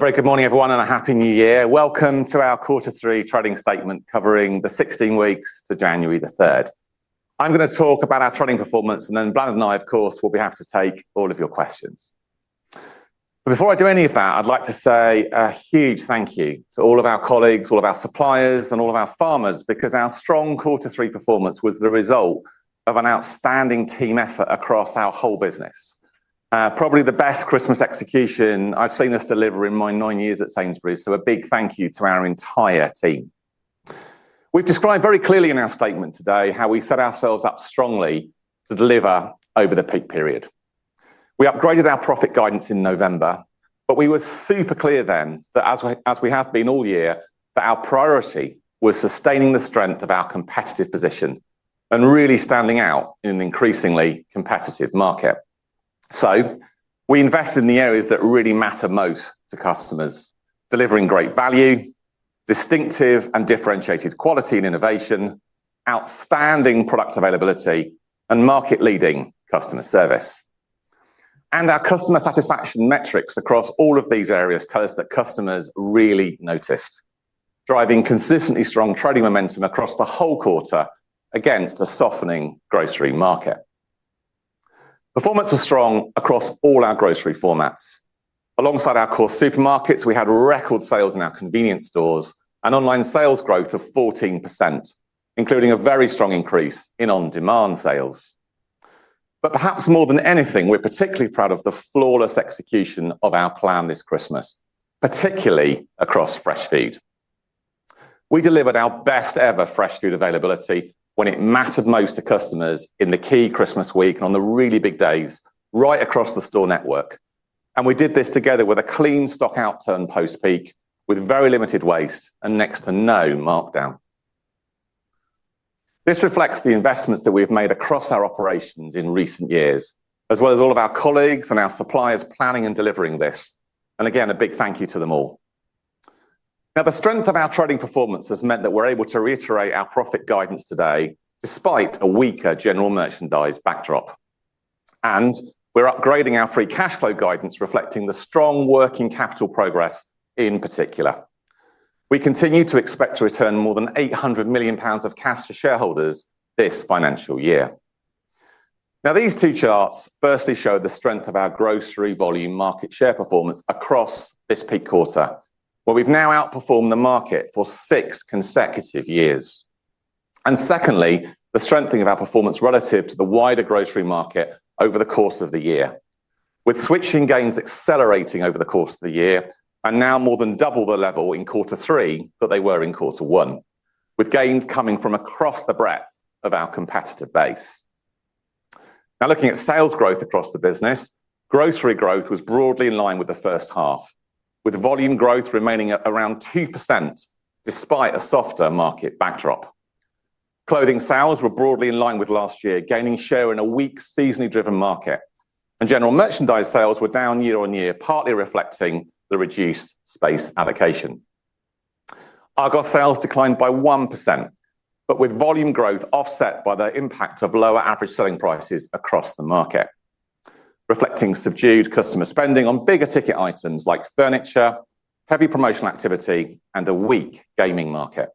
Very good morning, everyone, and a Happy New Year. Welcome to our quarter three trading statement covering the 16 weeks to January 3. I'm going to talk about our trading performance, and then Bláthnaid, of course, will be happy to take all of your questions. But before I do any of that, I'd like to say a huge thank you to all of our colleagues, all of our suppliers, and all of our farmers, because our strong quarter three performance was the result of an outstanding team effort across our whole business. Probably the best Christmas execution I've seen us deliver in my nine years at Sainsbury's, so a big thank you to our entire team. We've described very clearly in our statement today how we set ourselves up strongly to deliver over the peak period. We upgraded our profit guidance in November, but we were super clear then that, as we have been all year, our priority was sustaining the strength of our competitive position and really standing out in an increasingly competitive market. So we invest in the areas that really matter most to customers: delivering great value, distinctive and differentiated quality and innovation, outstanding product availability, and market-leading customer service. And our customer satisfaction metrics across all of these areas tell us that customers really noticed, driving consistently strong trading momentum across the whole quarter against a softening grocery market. Performance was strong across all our grocery formats. Alongside our core supermarkets, we had record sales in our convenience stores and online sales growth of 14%, including a very strong increase in on-demand sales. But perhaps more than anything, we're particularly proud of the flawless execution of our plan this Christmas, particularly across fresh food. We delivered our best ever fresh food availability when it mattered most to customers in the key Christmas week and on the really big days right across the store network. And we did this together with a clean stock outturn post-peak with very limited waste and next to no markdown. This reflects the investments that we have made across our operations in recent years, as well as all of our colleagues and our suppliers planning and delivering this. And again, a big thank you to them all. Now, the strength of our trading performance has meant that we're able to reiterate our profit guidance today despite a weaker general merchandise backdrop. And we're upgrading our free cash flow guidance, reflecting the strong working capital progress in particular. We continue to expect to return more than 800 million pounds of cash to shareholders this financial year. Now, these two charts firstly show the strength of our grocery volume market share performance across this peak quarter, where we've now outperformed the market for six consecutive years, and secondly, the strengthening of our performance relative to the wider grocery market over the course of the year, with switching gains accelerating over the course of the year and now more than double the level in quarter three that they were in quarter one, with gains coming from across the breadth of our competitive base. Now, looking at sales growth across the business, grocery growth was broadly in line with the first half, with volume growth remaining at around 2% despite a softer market backdrop. Clothing sales were broadly in line with last year, gaining share in a weak, seasonally driven market, and general merchandise sales were down year on year, partly reflecting the reduced space allocation. Our gross sales declined by 1%, but with volume growth offset by the impact of lower average selling prices across the market, reflecting subdued customer spending on bigger ticket items like furniture, heavy promotional activity, and a weak gaming market.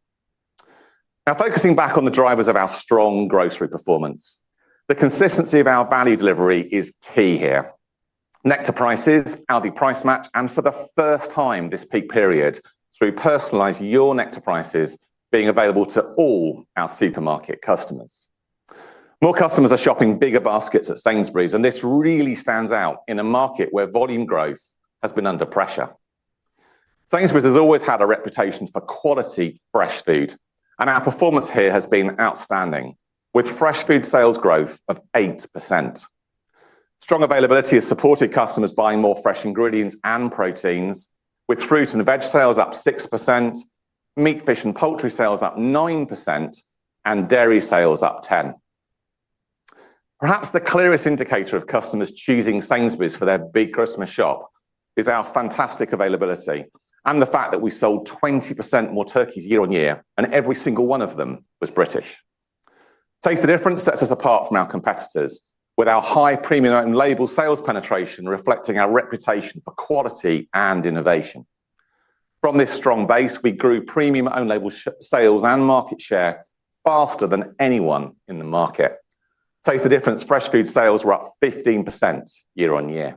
Now, focusing back on the drivers of our strong grocery performance, the consistency of our value delivery is key here. Nectar Prices had the price match, and for the first time this peak period, through personalized Your Nectar Prices being available to all our supermarket customers. More customers are shopping bigger baskets at Sainsbury's, and this really stands out in a market where volume growth has been under pressure. Sainsbury's has always had a reputation for quality, fresh food, and our performance here has been outstanding, with fresh food sales growth of 8%. Strong availability has supported customers buying more fresh ingredients and proteins, with fruit and veg sales up 6%, meat, fish, and poultry sales up 9%, and dairy sales up 10%. Perhaps the clearest indicator of customers choosing Sainsbury's for their big Christmas shop is our fantastic availability and the fact that we sold 20% more turkeys year on year, and every single one of them was British. Taste the Difference sets us apart from our competitors, with our high premium owned label sales penetration reflecting our reputation for quality and innovation. From this strong base, we grew premium owned label sales and market share faster than anyone in the market. Taste the Difference fresh food sales were up 15% year on year.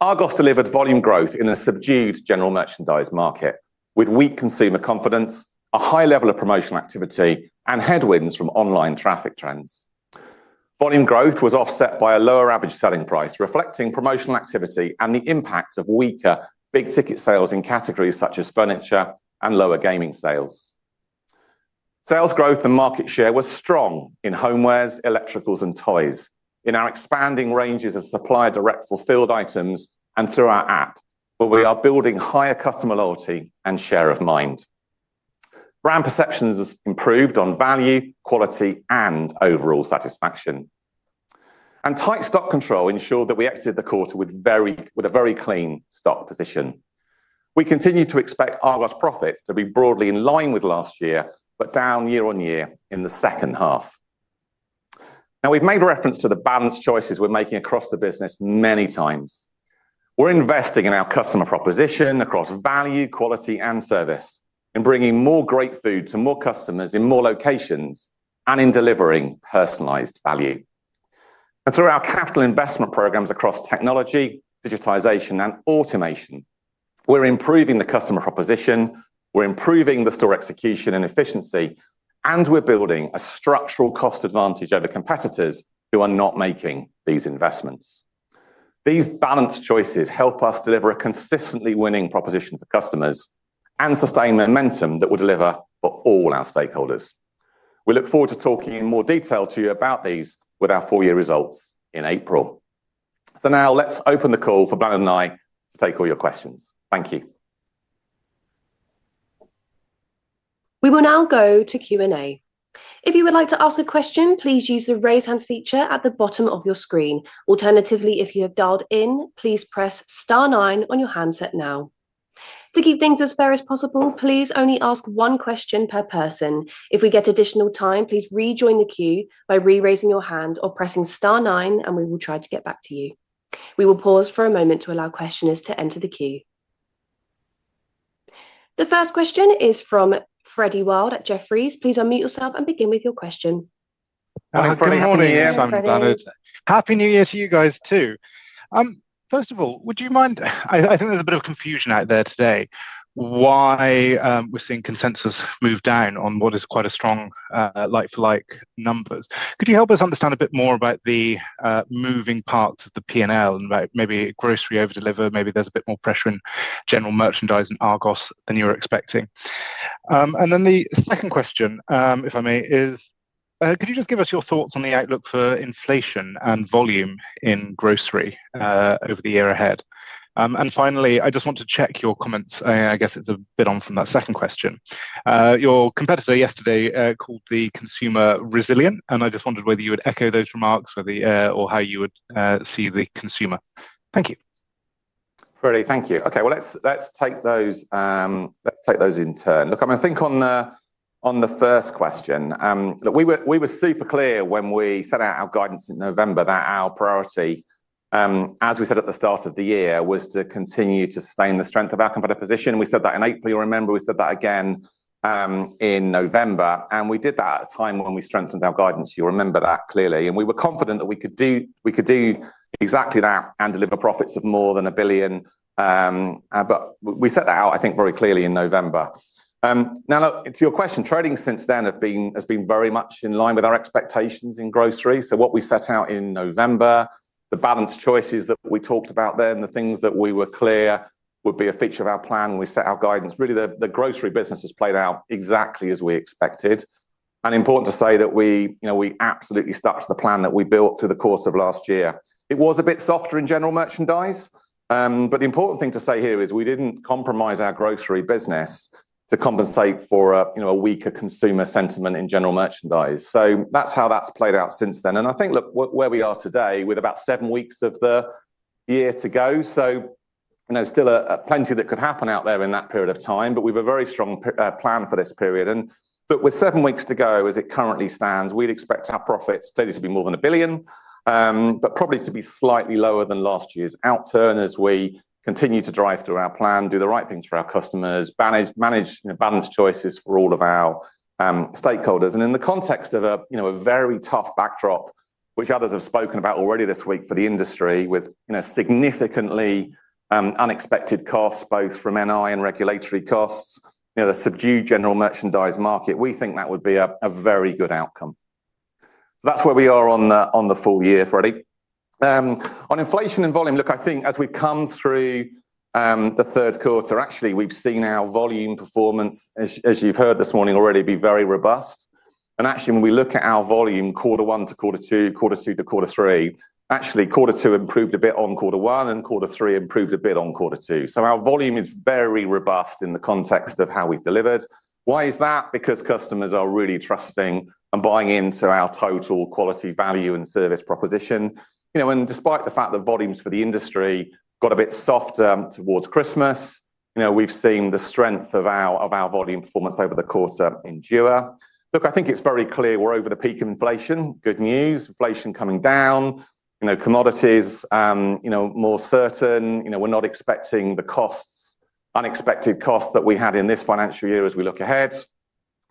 Our gross delivered volume growth in a subdued general merchandise market, with weak consumer confidence, a high level of promotional activity, and headwinds from online traffic trends. Volume growth was offset by a lower average selling price, reflecting promotional activity and the impact of weaker big ticket sales in categories such as furniture and lower gaming sales. Sales growth and market share were strong in homewares, electricals, and toys, in our expanding ranges of supplier direct fulfilled items and through our app, where we are building higher customer loyalty and share of mind. Brand perceptions have improved on value, quality, and overall satisfaction. And tight stock control ensured that we exited the quarter with a very clean stock position. We continue to expect our gross profit to be broadly in line with last year, but down year on year in the second half. Now, we've made reference to the balanced choices we're making across the business many times. We're investing in our customer proposition across value, quality, and service, and bringing more great food to more customers in more locations and in delivering personalized value. And through our capital investment programs across technology, digitization, and automation, we're improving the customer proposition, we're improving the store execution and efficiency, and we're building a structural cost advantage over competitors who are not making these investments. These balanced choices help us deliver a consistently winning proposition for customers and sustain momentum that will deliver for all our stakeholders. We look forward to talking in more detail to you about these with our full year results in April. For now, let's open the call for Bláthnaid Bergin to take all your questions. Thank you. We will now go to Q&A. If you would like to ask a question, please use the raise hand feature at the bottom of your screen. Alternatively, if you have dialed in, please press star nine on your handset now. To keep things as fair as possible, please only ask one question per person. If we get additional time, please rejoin the queue by re-raising your hand or pressing star nine, and we will try to get back to you. We will pause for a moment to allow questioners to enter the queue. The first question is from Freddie Wild at Jefferies. Please unmute yourself and begin with your question. Happy New Year to you guys too. First of all, would you mind? I think there's a bit of confusion out there today why we're seeing consensus move down on what is quite a strong like-for-like numbers. Could you help us understand a bit more about the moving parts of the P&L and about maybe grocery overdeliver? Maybe there's a bit more pressure in general merchandise and Argos than you were expecting, and then the second question, if I may, is could you just give us your thoughts on the outlook for inflation and volume in grocery over the year ahead? and finally, I just want to check your comments. I guess it's a bit on from that second question. Your competitor yesterday called the consumer resilient, and I just wondered whether you would echo those remarks or how you would see the consumer. Thank you. Freddy, thank you. Okay, well, let's take those in turn. Look, I'm going to think on the first question. We were super clear when we set out our guidance in November that our priority, as we said at the start of the year, was to continue to sustain the strength of our competitive position. We said that in April. You'll remember we said that again in November, and we did that at a time when we strengthened our guidance. You'll remember that clearly. And we were confident that we could do exactly that and deliver profits of more than 1 billion. But we set that out, I think, very clearly in November. Now, to your question, trading since then has been very much in line with our expectations in grocery. So what we set out in November, the balanced choices that we talked about then, the things that we were clear would be a feature of our plan when we set our guidance. Really, the grocery business has played out exactly as we expected. And important to say that we absolutely stuck to the plan that we built through the course of last year. It was a bit softer in general merchandise, but the important thing to say here is we didn't compromise our grocery business to compensate for a weaker consumer sentiment in general merchandise. So that's how that's played out since then. And I think, look, where we are today with about seven weeks of the year to go. So there's still plenty that could happen out there in that period of time, but we have a very strong plan for this period. But with seven weeks to go, as it currently stands, we'd expect our profits clearly to be more than 1 billion, but probably to be slightly lower than last year's outturn as we continue to drive through our plan, do the right things for our customers, manage balanced choices for all of our stakeholders. And in the context of a very tough backdrop, which others have spoken about already this week for the industry with significantly unexpected costs, both from NI and regulatory costs, the subdued general merchandise market, we think that would be a very good outcome. So that's where we are on the full year, Freddie. On inflation and volume, look, I think as we've come through the third quarter, actually we've seen our volume performance, as you've heard this morning already, be very robust. And actually, when we look at our volume, quarter one to quarter two, quarter two to quarter three, actually quarter two improved a bit on quarter one and quarter three improved a bit on quarter two. So our volume is very robust in the context of how we've delivered. Why is that? Because customers are really trusting and buying into our total quality value and service proposition. And despite the fact that volumes for the industry got a bit softer towards Christmas, we've seen the strength of our volume performance over the quarter endure. Look, I think it's very clear we're over the peak of inflation. Good news. Inflation coming down. Commodities more certain. We're not expecting the unexpected costs that we had in this financial year as we look ahead.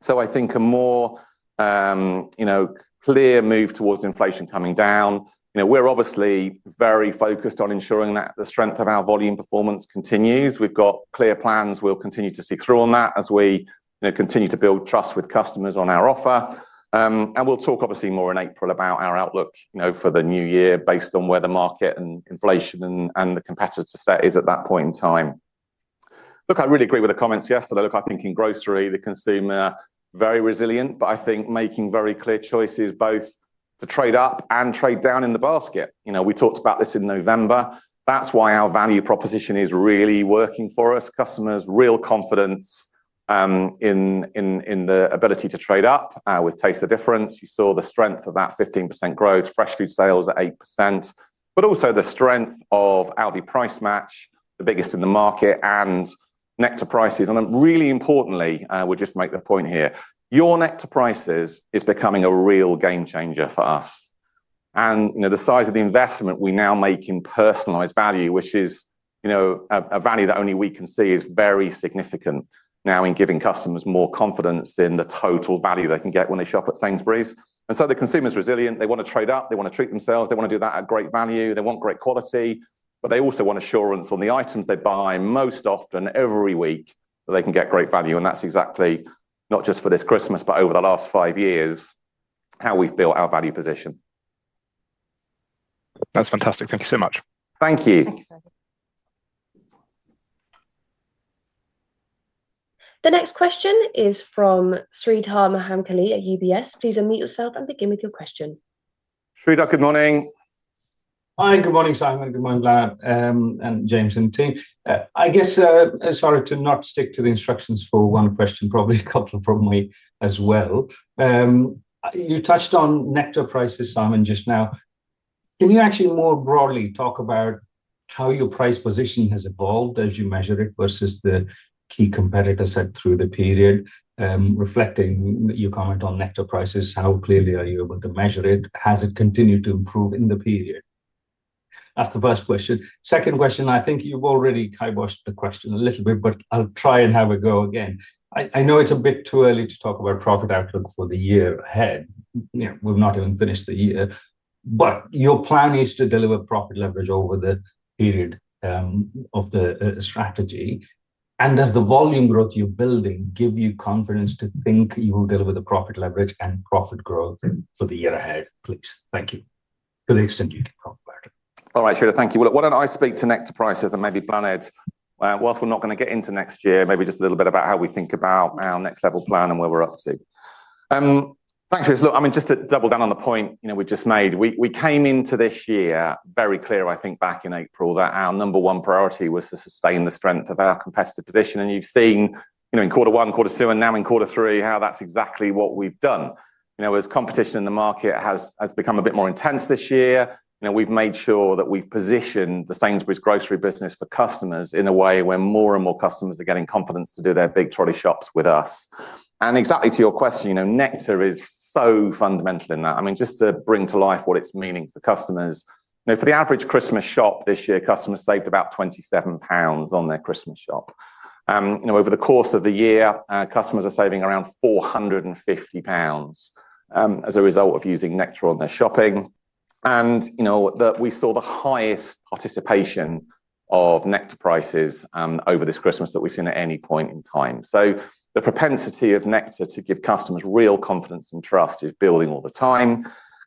So I think a more clear move towards inflation coming down. We're obviously very focused on ensuring that the strength of our volume performance continues. We've got clear plans. We'll continue to see through on that as we continue to build trust with customers on our offer, and we'll talk obviously more in April about our outlook for the new year based on where the market and inflation and the competitor set is at that point in time. Look, I really agree with the comments yesterday. Look, I think in grocery, the consumer is very resilient, but I think making very clear choices both to trade up and trade down in the basket. We talked about this in November. That's why our value proposition is really working for us. Customers, real confidence in the ability to trade up with Taste the Difference. You saw the strength of that 15% growth, fresh food sales at 8%, but also the strength of our price match, the biggest in the market and Nectar Prices. And really importantly, we'll just make the point here, your Nectar Prices is becoming a real game changer for us. And the size of the investment we now make in personalized value, which is a value that only we can see is very significant now in giving customers more confidence in the total value they can get when they shop at Sainsbury's. And so the consumer is resilient. They want to trade up. They want to treat themselves. They want to do that at great value. They want great quality. But they also want assurance on the items they buy most often every week that they can get great value. That's exactly not just for this Christmas, but over the last five years how we've built our value position. That's fantastic. Thank you so much. Thank you. The next question is from Sreedhar Mahamkali at UBS. Please unmute yourself and begin with your question. Sreedhar, good morning. Hi, good morning, Simon. Good morning, Bláthnaid Bergin and James and the team. I guess sorry to not stick to the instructions for one question, probably a couple from me as well. You touched on Nectar Prices, Simon, just now. Can you actually more broadly talk about how your price position has evolved as you measure it versus the key competitor set through the period, reflecting your comment on Nectar Prices? How clearly are you able to measure it? Has it continued to improve in the period? That's the first question. Second question, I think you've already kiboshed the question a little bit, but I'll try and have a go again. I know it's a bit too early to talk about profit outlook for the year ahead. We've not even finished the year. But your plan is to deliver profit leverage over the period of the strategy. Does the volume growth you're building give you confidence to think you will deliver the profit leverage and profit growth for the year ahead? Please, thank you for the extended profit leverage. All right, Sridhar, thank you. Look, why don't I speak to Nectar Prices and maybe Bláthnaid Bergin whilst we're not going to get into next year, maybe just a little bit about how we think about our Next Level plan and where we're up to. Thanks, Sridhar. Look, I mean, just to double down on the point we just made, we came into this year very clear, I think, back in April that our number one priority was to sustain the strength of our competitive position. And you've seen in quarter one, quarter two, and now in quarter three how that's exactly what we've done. As competition in the market has become a bit more intense this year, we've made sure that we've positioned the Sainsbury's grocery business for customers in a way where more and more customers are getting confidence to do their big trolley shops with us. Exactly to your question, Nectar is so fundamental in that. I mean, just to bring to life what its meaning for customers. For the average Christmas shop this year, customers saved about 27 pounds on their Christmas shop. Over the course of the year, customers are saving around 450 pounds as a result of using Nectar on their shopping. We saw the highest participation of Nectar Prices over this Christmas that we've seen at any point in time. The propensity of Nectar to give customers real confidence and trust is building all the time.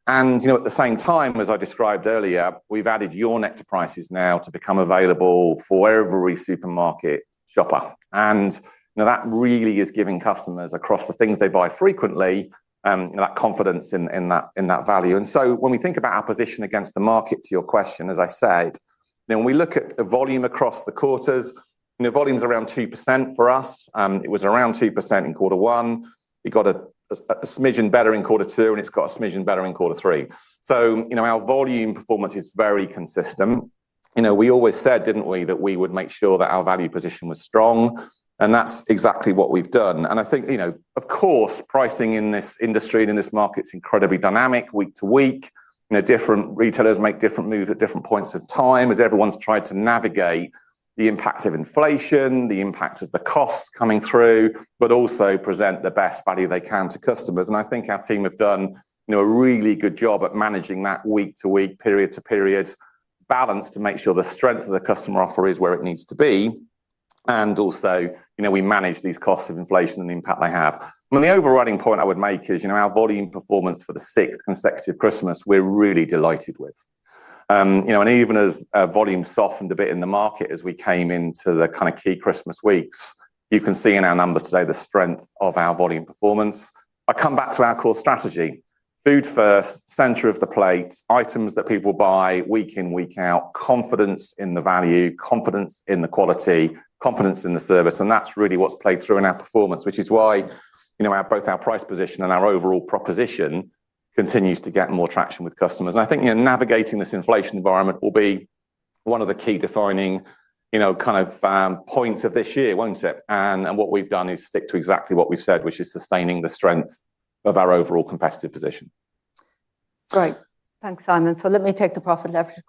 At the same time, as I described earlier, we've added your Nectar Prices now to become available for every supermarket shopper. That really is giving customers across the things they buy frequently that confidence in that value. And so when we think about our position against the market, to your question, as I said, when we look at the volume across the quarters, volume is around 2% for us. It was around 2% in quarter one. It got a smidgen better in quarter two, and it's got a smidgen better in quarter three. So our volume performance is very consistent. We always said, didn't we, that we would make sure that our value position was strong. And that's exactly what we've done. And I think, of course, pricing in this industry and in this market is incredibly dynamic week to week. Different retailers make different moves at different points of time as everyone's tried to navigate the impact of inflation, the impact of the costs coming through, but also present the best value they can to customers. And I think our team have done a really good job at managing that week to week, period to period balance to make sure the strength of the customer offer is where it needs to be. And also we manage these costs of inflation and the impact they have. And the overriding point I would make is our volume performance for the sixth consecutive Christmas, we're really delighted with. And even as volume softened a bit in the market as we came into the kind of key Christmas weeks, you can see in our numbers today the strength of our volume performance. I come back to our core strategy, Food First, center of the plate, items that people buy week in, week out, confidence in the value, confidence in the quality, confidence in the service. That's really what's played through in our performance, which is why both our price position and our overall proposition continues to get more traction with customers. I think navigating this inflation environment will be one of the key defining kind of points of this year, won't it? What we've done is stick to exactly what we've said, which is sustaining the strength of our overall competitive position. Great. Thanks, Simon, so let me take the profit leverage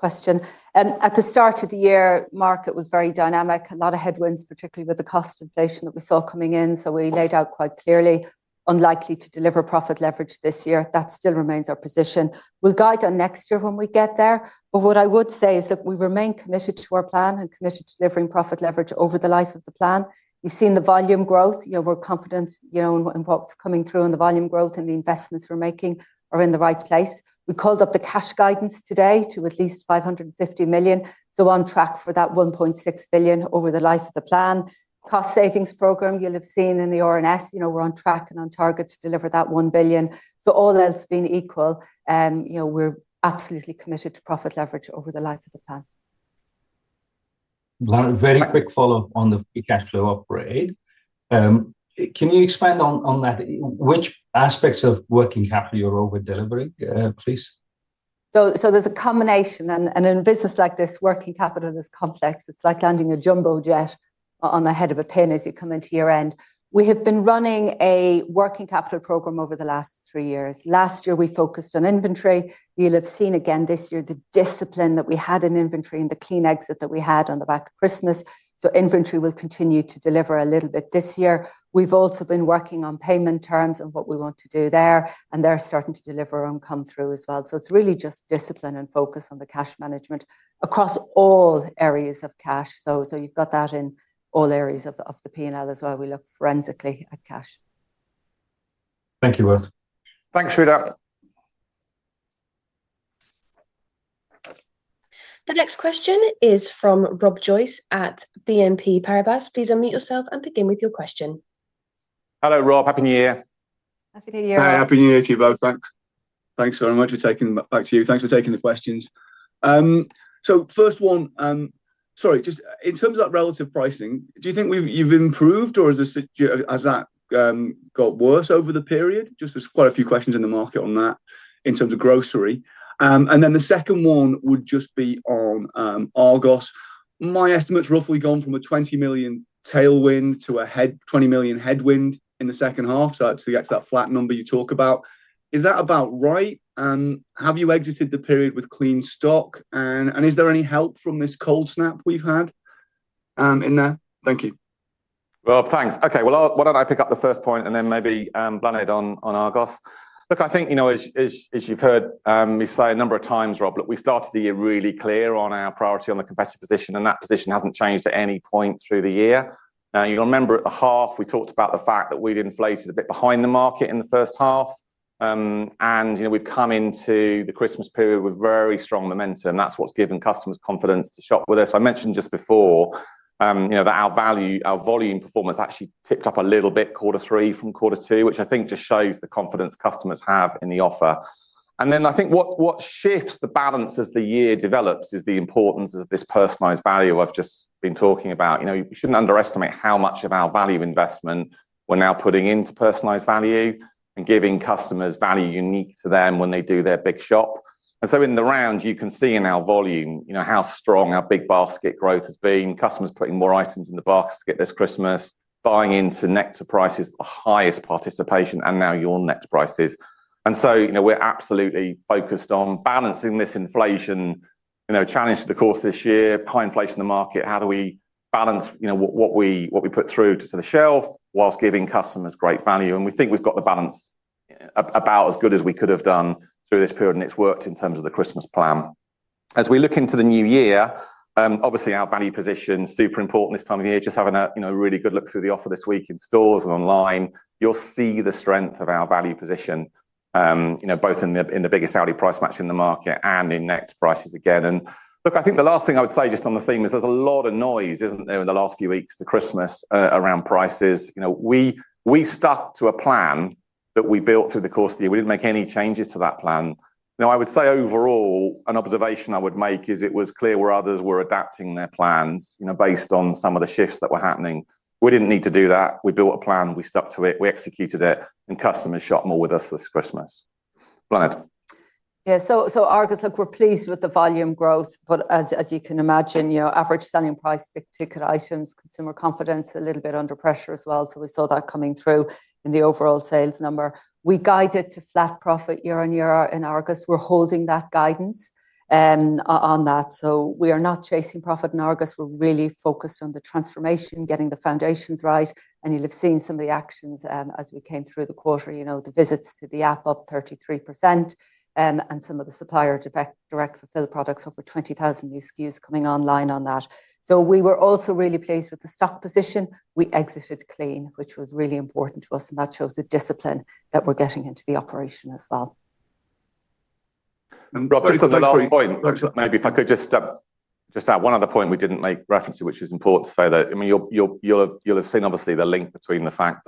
question. At the start of the year, market was very dynamic, a lot of headwinds, particularly with the cost inflation that we saw coming in, so we laid out quite clearly unlikely to deliver profit leverage this year. That still remains our position. We'll guide on next year when we get there, but what I would say is that we remain committed to our plan and committed to delivering profit leverage over the life of the plan. You've seen the volume growth. We're confident in what's coming through and the volume growth and the investments we're making are in the right place. We called up the cash guidance today to at least 550 million, so on track for that 1.6 billion over the life of the plan. Cost savings program, you'll have seen in the RNS, we're on track and on target to deliver that 1 billion. So all else being equal, we're absolutely committed to profit leverage over the life of the plan. Very quick follow-up on the free cash flow upgrade. Can you expand on that? Which aspects of working capital you're over delivering, please? So there's a combination. And in a business like this, working capital is complex. It's like landing a jumbo jet on the head of a pin as you come into year-end. We have been running a working capital program over the last three years. Last year, we focused on inventory. You'll have seen again this year the discipline that we had in inventory and the clean exit that we had on the back of Christmas. So inventory will continue to deliver a little bit this year. We've also been working on payment terms and what we want to do there. And they're starting to deliver and come through as well. So it's really just discipline and focus on the cash management across all areas of cash. So you've got that in all areas of the P&L as well. We look forensically at cash. Thank you both. Thanks, Sridhar. The next question is from Rob Joyce at BNP Paribas. Please unmute yourself and begin with your question. Hello, Rob. Happy New Year. Happy New Year. Happy New Year to you both. Thanks. Thanks very much for taking back to you. Thanks for taking the questions. So first one, sorry, just in terms of that relative pricing, do you think you've improved or has that got worse over the period? Just there's quite a few questions in the market on that in terms of grocery. And then the second one would just be on Argos. My estimate's roughly gone from a 20 million tailwind to a 20 million headwind in the second half. So to get to that flat number you talk about, is that about right? Have you exited the period with clean stock? And is there any help from this cold snap we've had in there? Thank you. Rob, thanks. Okay, well, why don't I pick up the first point and then maybe Bláthnaid on Argos. Look, I think as you've heard, we say a number of times, Rob, look, we started the year really clear on our priority on the competitive position, and that position hasn't changed at any point through the year. You'll remember at the half, we talked about the fact that we've lagged a bit behind the market in the first half, and we've come into the Christmas period with very strong momentum. That's what's given customers confidence to shop with us. I mentioned just before that our volume performance actually ticked up a little bit quarter three from quarter two, which I think just shows the confidence customers have in the offer. Then I think what shifts the balance as the year develops is the importance of this personalized value I've just been talking about. You shouldn't underestimate how much of our value investment we're now putting into personalized value and giving customers value unique to them when they do their big shop. In the round, you can see in our volume how strong our big basket growth has been. Customers putting more items in the basket to get this Christmas, buying into Nectar Prices, the highest participation, and now Your Nectar Prices. We're absolutely focused on balancing this inflation challenge over the course of this year, high inflation in the market. How do we balance what we put through to the shelf while giving customers great value? And we think we've got the balance about as good as we could have done through this period, and it's worked in terms of the Christmas plan. As we look into the new year, obviously our value position is super important this time of the year. Just having a really good look through the offer this week in stores and online, you'll see the strength of our value position both in the biggest Aldi Price Match in the market and in Nectar Prices again. And look, I think the last thing I would say just on the theme is there's a lot of noise, isn't there, in the last few weeks to Christmas around prices. We stuck to a plan that we built through the course of the year. We didn't make any changes to that plan. I would say overall, an observation I would make is it was clear where others were adapting their plans based on some of the shifts that were happening. We didn't need to do that. We built a plan. We stuck to it. We executed it. And customers shop more with us this Christmas. Bláthnaid. Yeah, so Argos, look, we're pleased with the volume growth, but as you can imagine, average selling price, big-ticket items, consumer confidence a little bit under pressure as well, so we saw that coming through in the overall sales number. We guided to flat profit year on year in Argos. We're holding that guidance on that, so we are not chasing profit in Argos. We're really focused on the transformation, getting the foundations right, and you'll have seen some of the actions as we came through the quarter. The visits to the app up 33% and some of the supplier direct fulfillment products, over 20,000 new SKUs coming online on that, so we were also really pleased with the stock position. We exited clean, which was really important to us. And that shows the discipline that we're getting into the operation as well. Rob, just on the last point, maybe if I could just add one other point we didn't make reference to, which is important to say that you'll have seen obviously the link between the fact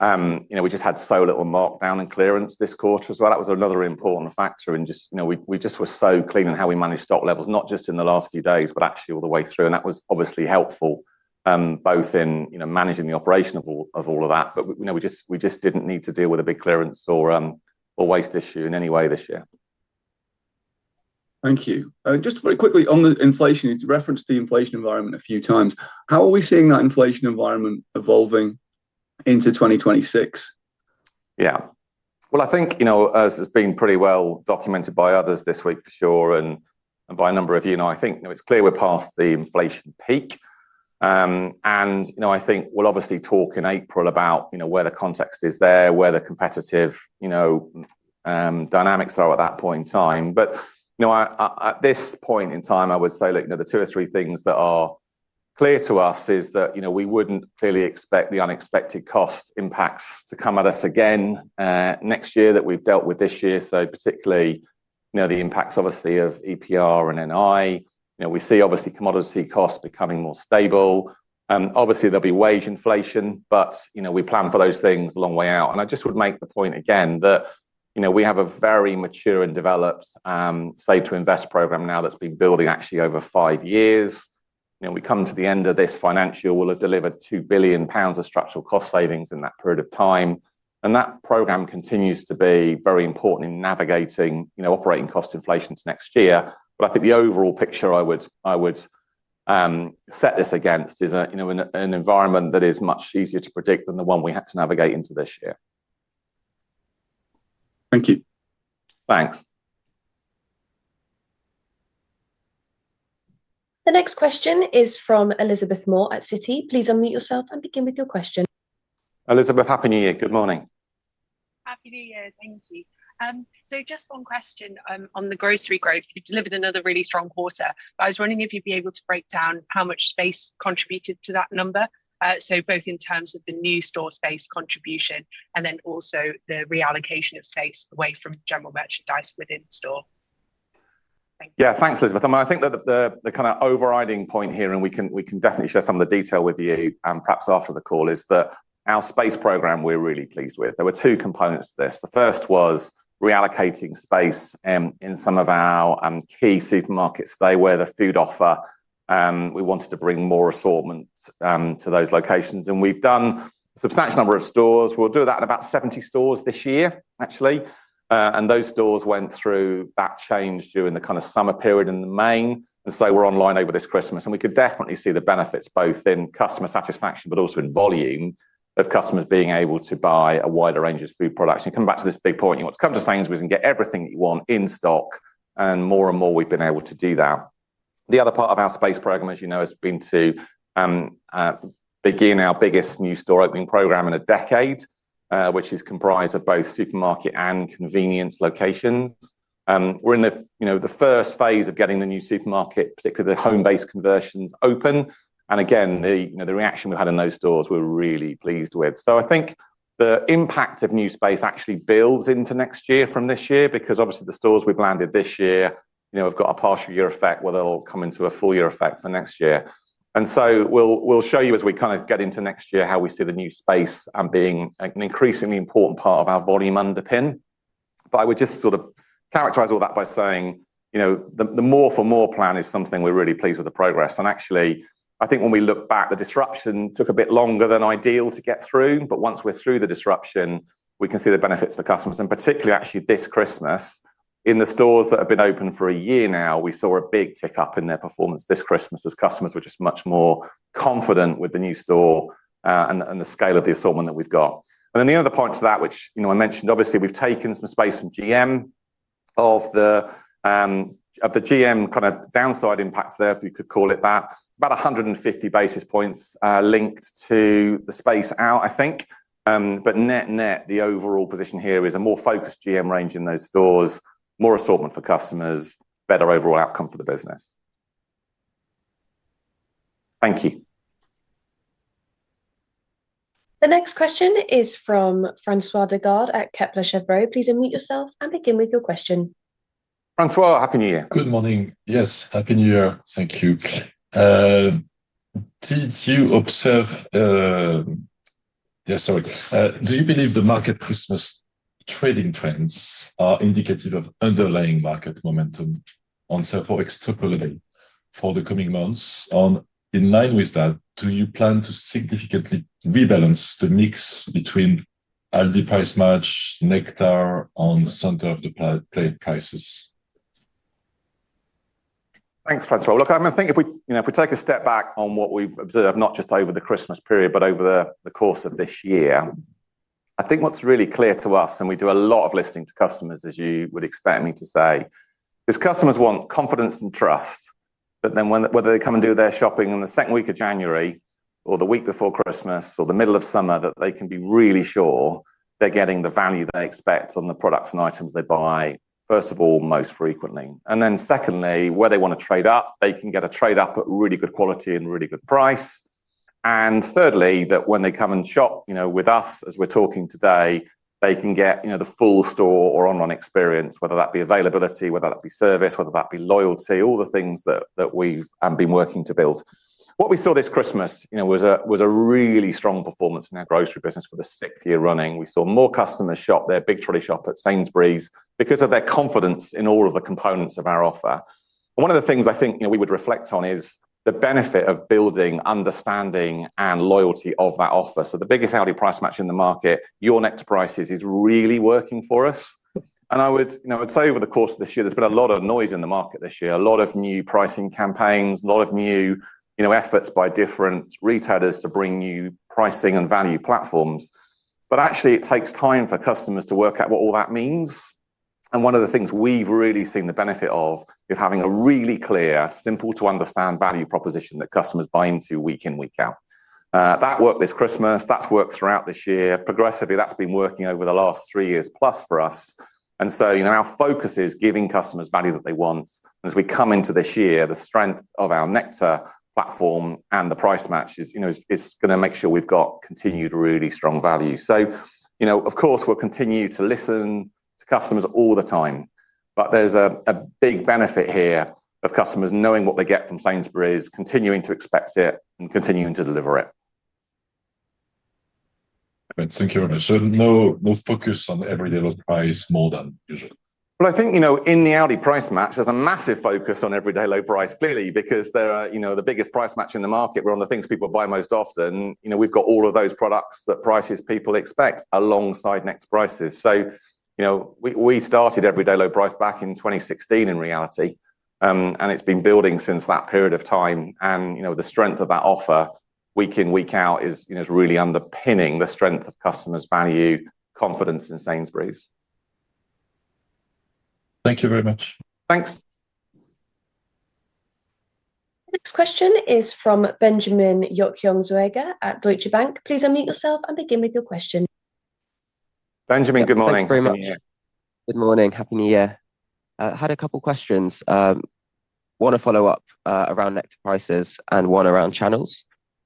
that we just had so little markdown and clearance this quarter as well. That was another important factor. We were so clean in how we managed stock levels, not just in the last few days, but actually all the way through, and that was obviously helpful both in managing the operation of all of that, but we just didn't need to deal with a big clearance or waste issue in any way this year. Thank you. Just very quickly on the inflation, you referenced the inflation environment a few times. How are we seeing that inflation environment evolving into 2026? Yeah, well, I think as has been pretty well documented by others this week for sure and by a number of you, I think it's clear we're past the inflation peak, and I think we'll obviously talk in April about where the context is there, where the competitive dynamics are at that point in time, but at this point in time, I would say the two or three things that are clear to us is that we wouldn't clearly expect the unexpected cost impacts to come at us again next year that we've dealt with this year, so particularly the impacts obviously of EPR and NI. We see obviously commodity costs becoming more stable. Obviously, there'll be wage inflation, but we plan for those things a long way out. I just would make the point again that we have a very mature and developed Save to Invest program now that's been building actually over five years. We come to the end of this financial, we'll have delivered 2 billion pounds of structural cost savings in that period of time. That program continues to be very important in navigating operating cost inflations next year. I think the overall picture I would set this against is an environment that is much easier to predict than the one we had to navigate into this year. Thank you. Thanks. The next question is from Elizabeth Moore at Citi. Please unmute yourself and begin with your question. Elizabeth, happy New Year. Good morning. Happy New Year. Thank you. So just one question on the grocery growth. You delivered another really strong quarter. I was wondering if you'd be able to break down how much space contributed to that number, so both in terms of the new store space contribution and then also the reallocation of space away from general merchandise within the store? Yeah, thanks, Elizabeth. I think that the kind of overriding point here, and we can definitely share some of the detail with you perhaps after the call, is that our space program, we're really pleased with. There were two components to this. The first was reallocating space in some of our key supermarkets. They were the food offer. We wanted to bring more assortments to those locations. And we've done a substantial number of stores. We'll do that in about 70 stores this year, actually. And those stores went through that change during the kind of summer period in the main. And so we're online over this Christmas. And we could definitely see the benefits both in customer satisfaction, but also in volume of customers being able to buy a wider range of food products. Coming back to this big point, you want to come to Sainsbury's and get everything that you want in stock. More and more we've been able to do that. The other part of our space program, as you know, has been to begin our biggest new store opening program in a decade, which is comprised of both supermarket and convenience locations. We're in the first phase of getting the new supermarket, particularly the Homebase conversions, open. Again, the reaction we've had in those stores, we're really pleased with. I think the impact of new space actually builds into next year from this year because obviously the stores we've landed this year have got a partial year effect where they'll come into a full year effect for next year. And so we'll show you as we kind of get into next year how we see the new space being an increasingly important part of our volume underpin. But I would just sort of characterize all that by saying the more for more plan is something we're really pleased with the progress. And actually, I think when we look back, the disruption took a bit longer than ideal to get through. But once we're through the disruption, we can see the benefits for customers. And particularly actually this Christmas, in the stores that have been open for a year now, we saw a big tick up in their performance this Christmas as customers were just much more confident with the new store and the scale of the assortment that we've got. And then the other point to that, which I mentioned, obviously we've taken some space from GM of the GM kind of downside impact there, if you could call it that, about 150 basis points linked to the space out, I think. But net net, the overall position here is a more focused GM range in those stores, more assortment for customers, better overall outcome for the business. Thank you. The next question is from François Digard at Kepler Cheuvreux. Please unmute yourself and begin with your question. François, happy New Year. Good morning. Yes, happy New Year. Thank you. Do you believe the market Christmas trading trends are indicative of underlying market momentum in the post-Christmas period for the coming months? In line with that, do you plan to significantly rebalance the mix between Aldi Price Match, Nectar on the center-of-the-plate prices? Thanks, François. Look, I think if we take a step back on what we've observed, not just over the Christmas period, but over the course of this year, I think what's really clear to us, and we do a lot of listening to customers, as you would expect me to say, is customers want confidence and trust that then whether they come and do their shopping in the second week of January or the week before Christmas or the middle of summer, that they can be really sure they're getting the value they expect on the products and items they buy, first of all, most frequently. And then secondly, where they want to trade up, they can get a trade up at really good quality and really good price. And thirdly, that when they come and shop with us, as we're talking today, they can get the full store or online experience, whether that be availability, whether that be service, whether that be loyalty, all the things that we've been working to build. What we saw this Christmas was a really strong performance in our grocery business for the sixth year running. We saw more customers shop their big-trolley shop at Sainsbury's because of their confidence in all of the components of our offer. One of the things I think we would reflect on is the benefit of building understanding and loyalty of that offer. So the biggest Aldi Price Match in the market, Your Nectar Prices is really working for us. I would say over the course of this year, there's been a lot of noise in the market this year, a lot of new pricing campaigns, a lot of new efforts by different retailers to bring new pricing and value platforms. Actually, it takes time for customers to work out what all that means. One of the things we've really seen the benefit of is having a really clear, simple to understand value proposition that customers buy into week in, week out. That worked this Christmas. That's worked throughout this year. Progressively, that's been working over the last three years plus for us. So our focus is giving customers value that they want. As we come into this year, the strength of our Nectar platform and the price match is going to make sure we've got continued really strong value. So of course, we'll continue to listen to customers all the time. But there's a big benefit here of customers knowing what they get from Sainsbury's, continuing to expect it, and continuing to deliver it. Thank you, Simon. So no focus on Everyday Low Price more than usual? I think in the Aldi Price Match, there's a massive focus on Everyday Low Price, clearly, because they're the biggest price match in the market. We're on the things people buy most often. We've got all of those products that prices people expect alongside Nectar Prices. We started Everyday Low Price back in 2016, in reality. It's been building since that period of time. The strength of that offer week in, week out is really underpinning the strength of customers' value, confidence in Sainsbury's. Thank you very much. Thanks. The next question is from Benjamin Zoega at Deutsche Bank. Please unmute yourself and begin with your question. Benjamin, good morning. Thanks very much. Good morning. Happy New Year. I had a couple of questions, one to follow up around Nectar Prices and one around channels.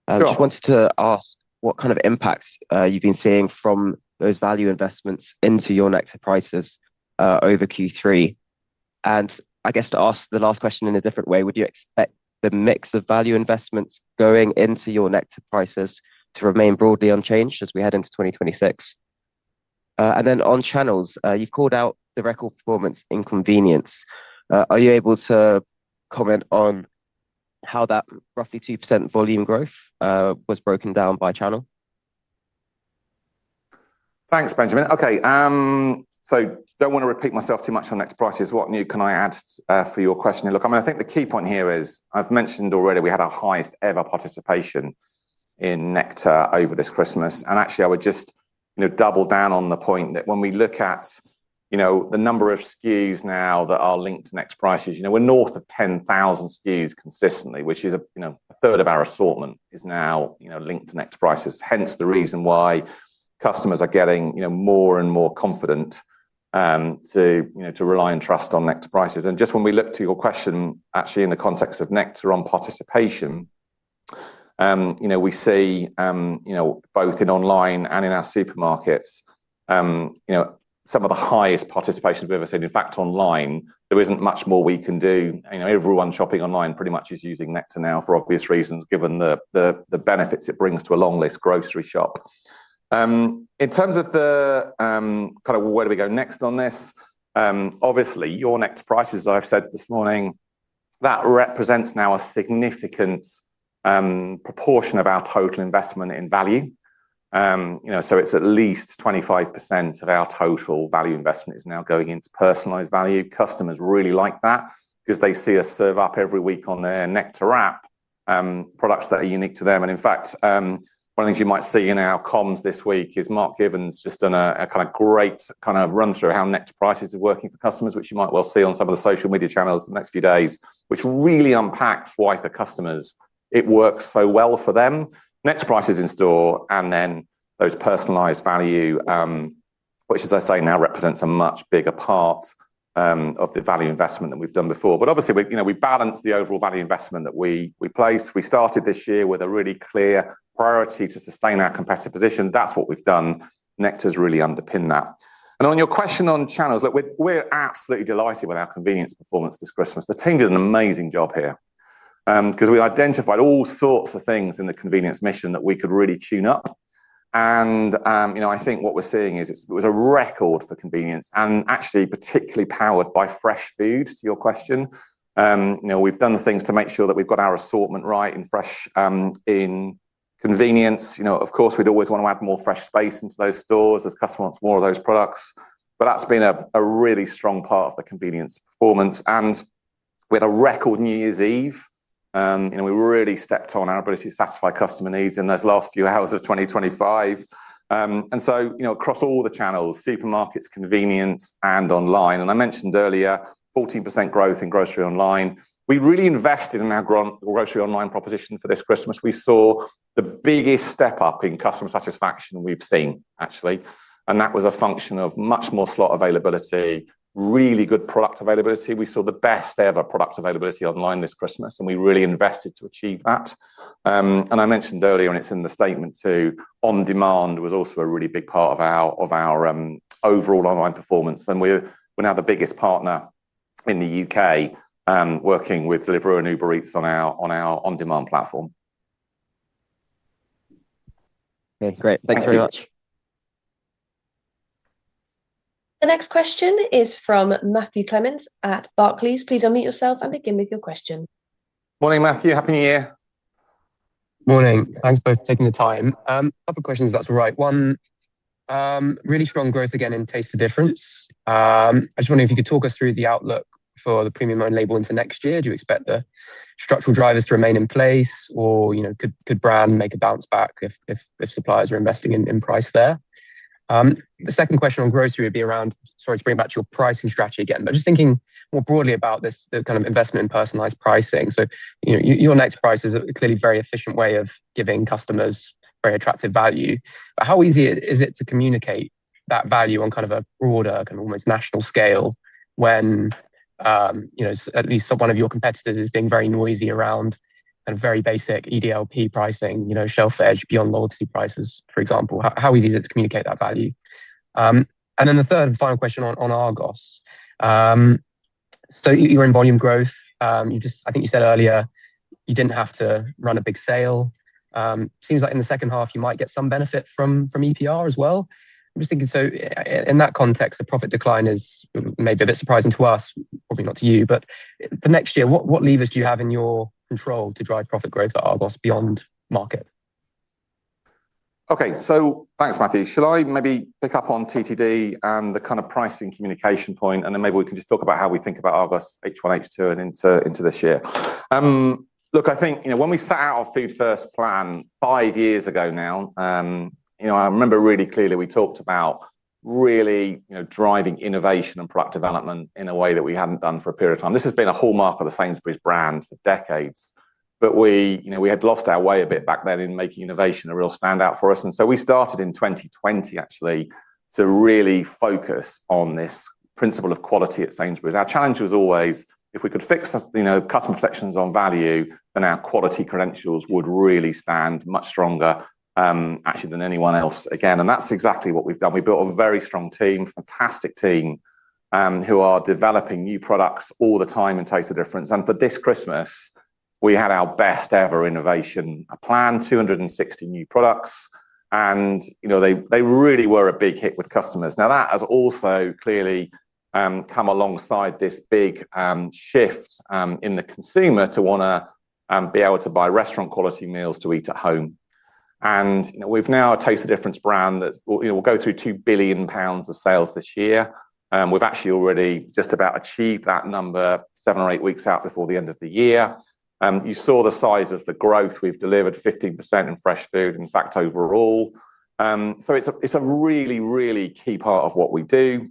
I just wanted to ask what kind of impacts you've been seeing from those value investments into your Nectar Prices over Q3. And I guess to ask the last question in a different way, would you expect the mix of value investments going into your Nectar Prices to remain broadly unchanged as we head into 2026? And then on channels, you've called out the record performance in convenience. Are you able to comment on how that roughly 2% volume growth was broken down by channel? Thanks, Benjamin. Okay, so don't want to repeat myself too much on Nectar Prices. What new can I add for your question? Look, I mean, I think the key point here is I've mentioned already we had our highest ever participation in Nectar over this Christmas. And actually, I would just double down on the point that when we look at the number of SKUs now that are linked to Nectar Prices, we're north of 10,000 SKUs consistently, which is a third of our assortment is now linked to Nectar Prices. Hence the reason why customers are getting more and more confident to rely and trust on Nectar Prices. And just when we look to your question, actually in the context of Nectar on participation, we see both in online and in our supermarkets, some of the highest participation we've ever seen. In fact, online, there isn't much more we can do. Everyone shopping online pretty much is using Nectar now for obvious reasons, given the benefits it brings to a long list grocery shop. In terms of the kind of where do we go next on this, obviously Your Nectar Prices, as I've said this morning, that represents now a significant proportion of our total investment in value. So it's at least 25% of our total value investment is now going into personalized value. Customers really like that because they see us serve up every week on their Nectar app products that are unique to them. In fact, one of the things you might see in our comms this week is Mark Given just done a kind of great kind of run through how Nectar Prices are working for customers, which you might well see on some of the social media channels in the next few days, which really unpacks why for customers it works so well for them. Nectar Prices in store and then those personalized value, which as I say now represents a much bigger part of the value investment that we've done before. But obviously, we balance the overall value investment that we place. We started this year with a really clear priority to sustain our competitive position. That's what we've done. Nectar's really underpinned that. On your question on channels, look, we're absolutely delighted with our convenience performance this Christmas. The team did an amazing job here because we identified all sorts of things in the convenience mission that we could really tune up. And I think what we're seeing is it was a record for convenience and actually particularly powered by fresh food, to your question. We've done the things to make sure that we've got our assortment right in convenience. Of course, we'd always want to add more fresh space into those stores as customers want more of those products. But that's been a really strong part of the convenience performance. And we had a record New Year's Eve. We really stepped on our ability to satisfy customer needs in those last few hours of 2025. And so across all the channels, supermarkets, convenience, and online. And I mentioned earlier, 14% growth in grocery online. We really invested in our grocery online proposition for this Christmas. We saw the biggest step up in customer satisfaction we've seen, actually. And that was a function of much more slot availability, really good product availability. We saw the best ever product availability online this Christmas, and we really invested to achieve that. And I mentioned earlier, and it's in the statement too, on demand was also a really big part of our overall online performance. And we're now the biggest partner in the U.K. working with Deliveroo and Uber Eats on our on-demand platform. Okay, great. Thanks very much. The next question is from Matthew Garland at Barclays. Please unmute yourself and begin with your question. Morning, Matthew. Happy New Year. Morning. Thanks both for taking the time. A couple of questions, if that's all right. One, really strong growth again in Taste the Difference. I just wonder if you could talk us through the outlook for the premium label into next year. Do you expect the structural drivers to remain in place, or could brand make a bounce back if suppliers are investing in price there? The second question on grocery would be around, sorry to bring back to your pricing strategy again, but just thinking more broadly about the kind of investment in personalized pricing. So Your Nectar Price is clearly a very efficient way of giving customers very attractive value. But how easy is it to communicate that value on kind of a broader, kind of almost national scale when at least one of your competitors is being very noisy around kind of very basic EDLP pricing, shelf edge, beyond loyalty prices, for example? How easy is it to communicate that value? And then the third and final question on Argos. So you're in volume growth. I think you said earlier you didn't have to run a big sale. It seems like in the second half, you might get some benefit from EPR as well. I'm just thinking, so in that context, the profit decline is maybe a bit surprising to us, probably not to you. But for next year, what levers do you have in your control to drive profit growth at Argos beyond market? Okay, so thanks, Matthew. Shall I maybe pick up on TTD and the kind of pricing communication point, and then maybe we can just talk about how we think about Argos H1, H2 and into this year? Look, I think when we set out our Food First plan five years ago now, I remember really clearly we talked about really driving innovation and product development in a way that we hadn't done for a period of time. This has been a hallmark of the Sainsbury's brand for decades, but we had lost our way a bit back then in making innovation a real standout for us. And so we started in 2020, actually, to really focus on this principle of quality at Sainsbury's. Our challenge was always if we could fix customer perceptions on value, then our quality credentials would really stand much stronger, actually, than anyone else again. That's exactly what we've done. We built a very strong team, fantastic team, who are developing new products all the time in Taste the Difference. For this Christmas, we had our best ever innovation, a plan, 260 new products, and they really were a big hit with customers. Now, that has also clearly come alongside this big shift in the consumer to want to be able to buy restaurant quality meals to eat at home. We've now a Taste the Difference brand that will go through 2 billion pounds of sales this year. We've actually already just about achieved that number seven or eight weeks out before the end of the year. You saw the size of the growth. We've delivered 15% in fresh food, in fact, overall. It's a really, really key part of what we do.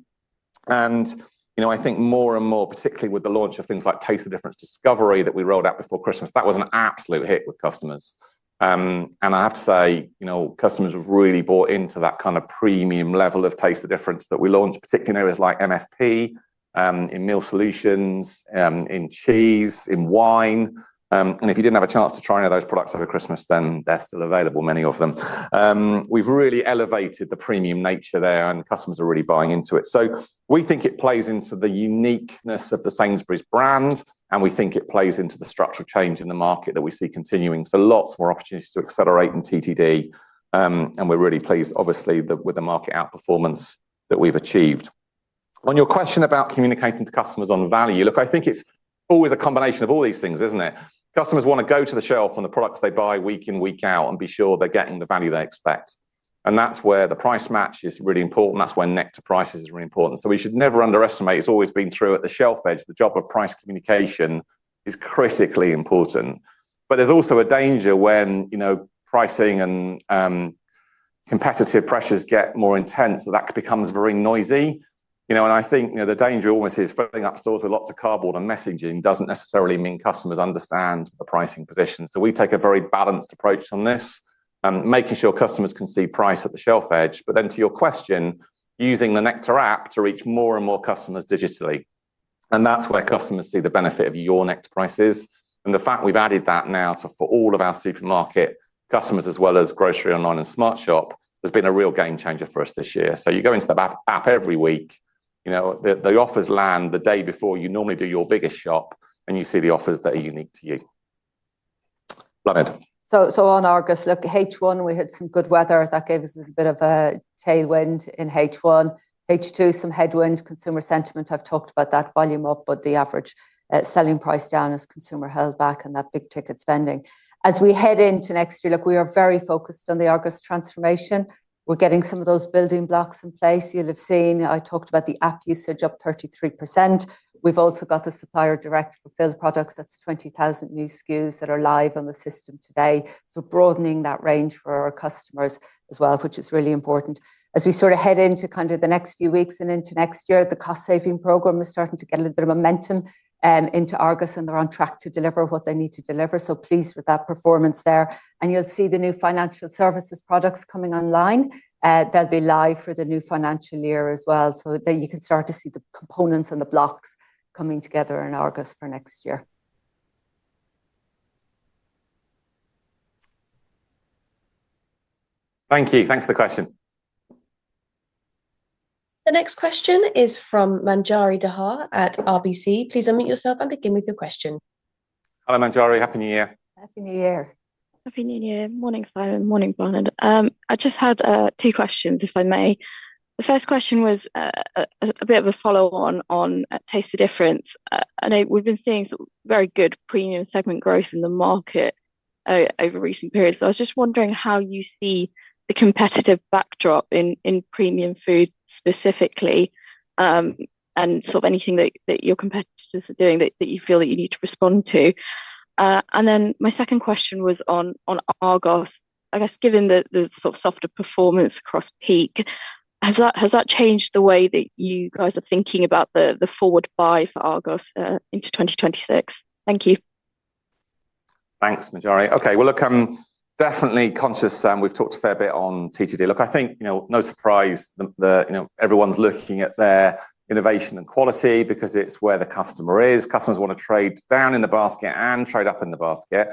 I think more and more, particularly with the launch of things like Taste the Difference Discovery that we rolled out before Christmas, that was an absolute hit with customers. I have to say, customers have really bought into that kind of premium level of Taste the Difference that we launched, particularly in areas like MFP, in meal solutions, in cheese, in wine. If you didn't have a chance to try any of those products over Christmas, then they're still available, many of them. We've really elevated the premium nature there, and customers are really buying into it. We think it plays into the uniqueness of the Sainsbury's brand, and we think it plays into the structural change in the market that we see continuing. Lots more opportunities to accelerate in TTD, and we're really pleased, obviously, with the market outperformance that we've achieved. On your question about communicating to customers on value, look, I think it's always a combination of all these things, isn't it? Customers want to go to the shelf on the products they buy week in, week out and be sure they're getting the value they expect. And that's where the price match is really important. That's where Nectar Prices is really important. So we should never underestimate. It's always been true at the shelf edge. The job of price communication is critically important. But there's also a danger when pricing and competitive pressures get more intense that that becomes very noisy. And I think the danger almost is filling up stores with lots of cardboard and messaging doesn't necessarily mean customers understand the pricing position. So we take a very balanced approach on this, making sure customers can see price at the shelf edge. But then to your question, using the Nectar app to reach more and more customers digitally. And that's where customers see the benefit of your Nectar Prices. And the fact we've added that now for all of our supermarket customers, as well as grocery online and SmartShop, has been a real game changer for us this year. So you go into the app every week, the offers land the day before you normally do your biggest shop, and you see the offers that are unique to you. So on Argos, look, H1, we had some good weather. That gave us a little bit of a tailwind in H1. H2, some headwind, consumer sentiment. I've talked about that volume up, but the average selling price down as consumer held back and that big ticket spending. As we head into next year, look, we are very focused on the Argos transformation. We're getting some of those building blocks in place. You'll have seen I talked about the app usage up 33%. We've also got the supplier direct fulfilled products. That's 20,000 new SKUs that are live on the system today. So broadening that range for our customers as well, which is really important. As we sort of head into kind of the next few weeks and into next year, the cost saving program is starting to get a little bit of momentum into Argos, and they're on track to deliver what they need to deliver, so pleased with that performance there, and you'll see the new financial services products coming online. They'll be live for the new financial year as well so that you can start to see the components and the blocks coming together in Argos for next year. Thank you. Thanks for the question. The next question is from Manjari Dhar at RBC. Please unmute yourself and begin with your question. Hello, Manjari. Happy New Year. Happy New Year. Happy New Year. Morning, Simon. Morning, Bláthnaid. I just had two questions, if I may. The first question was a bit of a follow-on on Taste the Difference. I know we've been seeing very good premium segment growth in the market over recent periods. I was just wondering how you see the competitive backdrop in premium food specifically and sort of anything that your competitors are doing that you feel that you need to respond to. And then my second question was on Argos, I guess given the sort of softer performance across peak, has that changed the way that you guys are thinking about the forward buy for Argos into 2026? Thank you. Thanks, Manjari. Okay, well, look, I'm definitely conscious we've talked a fair bit on TTD. Look, I think no surprise that everyone's looking at their innovation and quality because it's where the customer is. Customers want to trade down in the basket and trade up in the basket.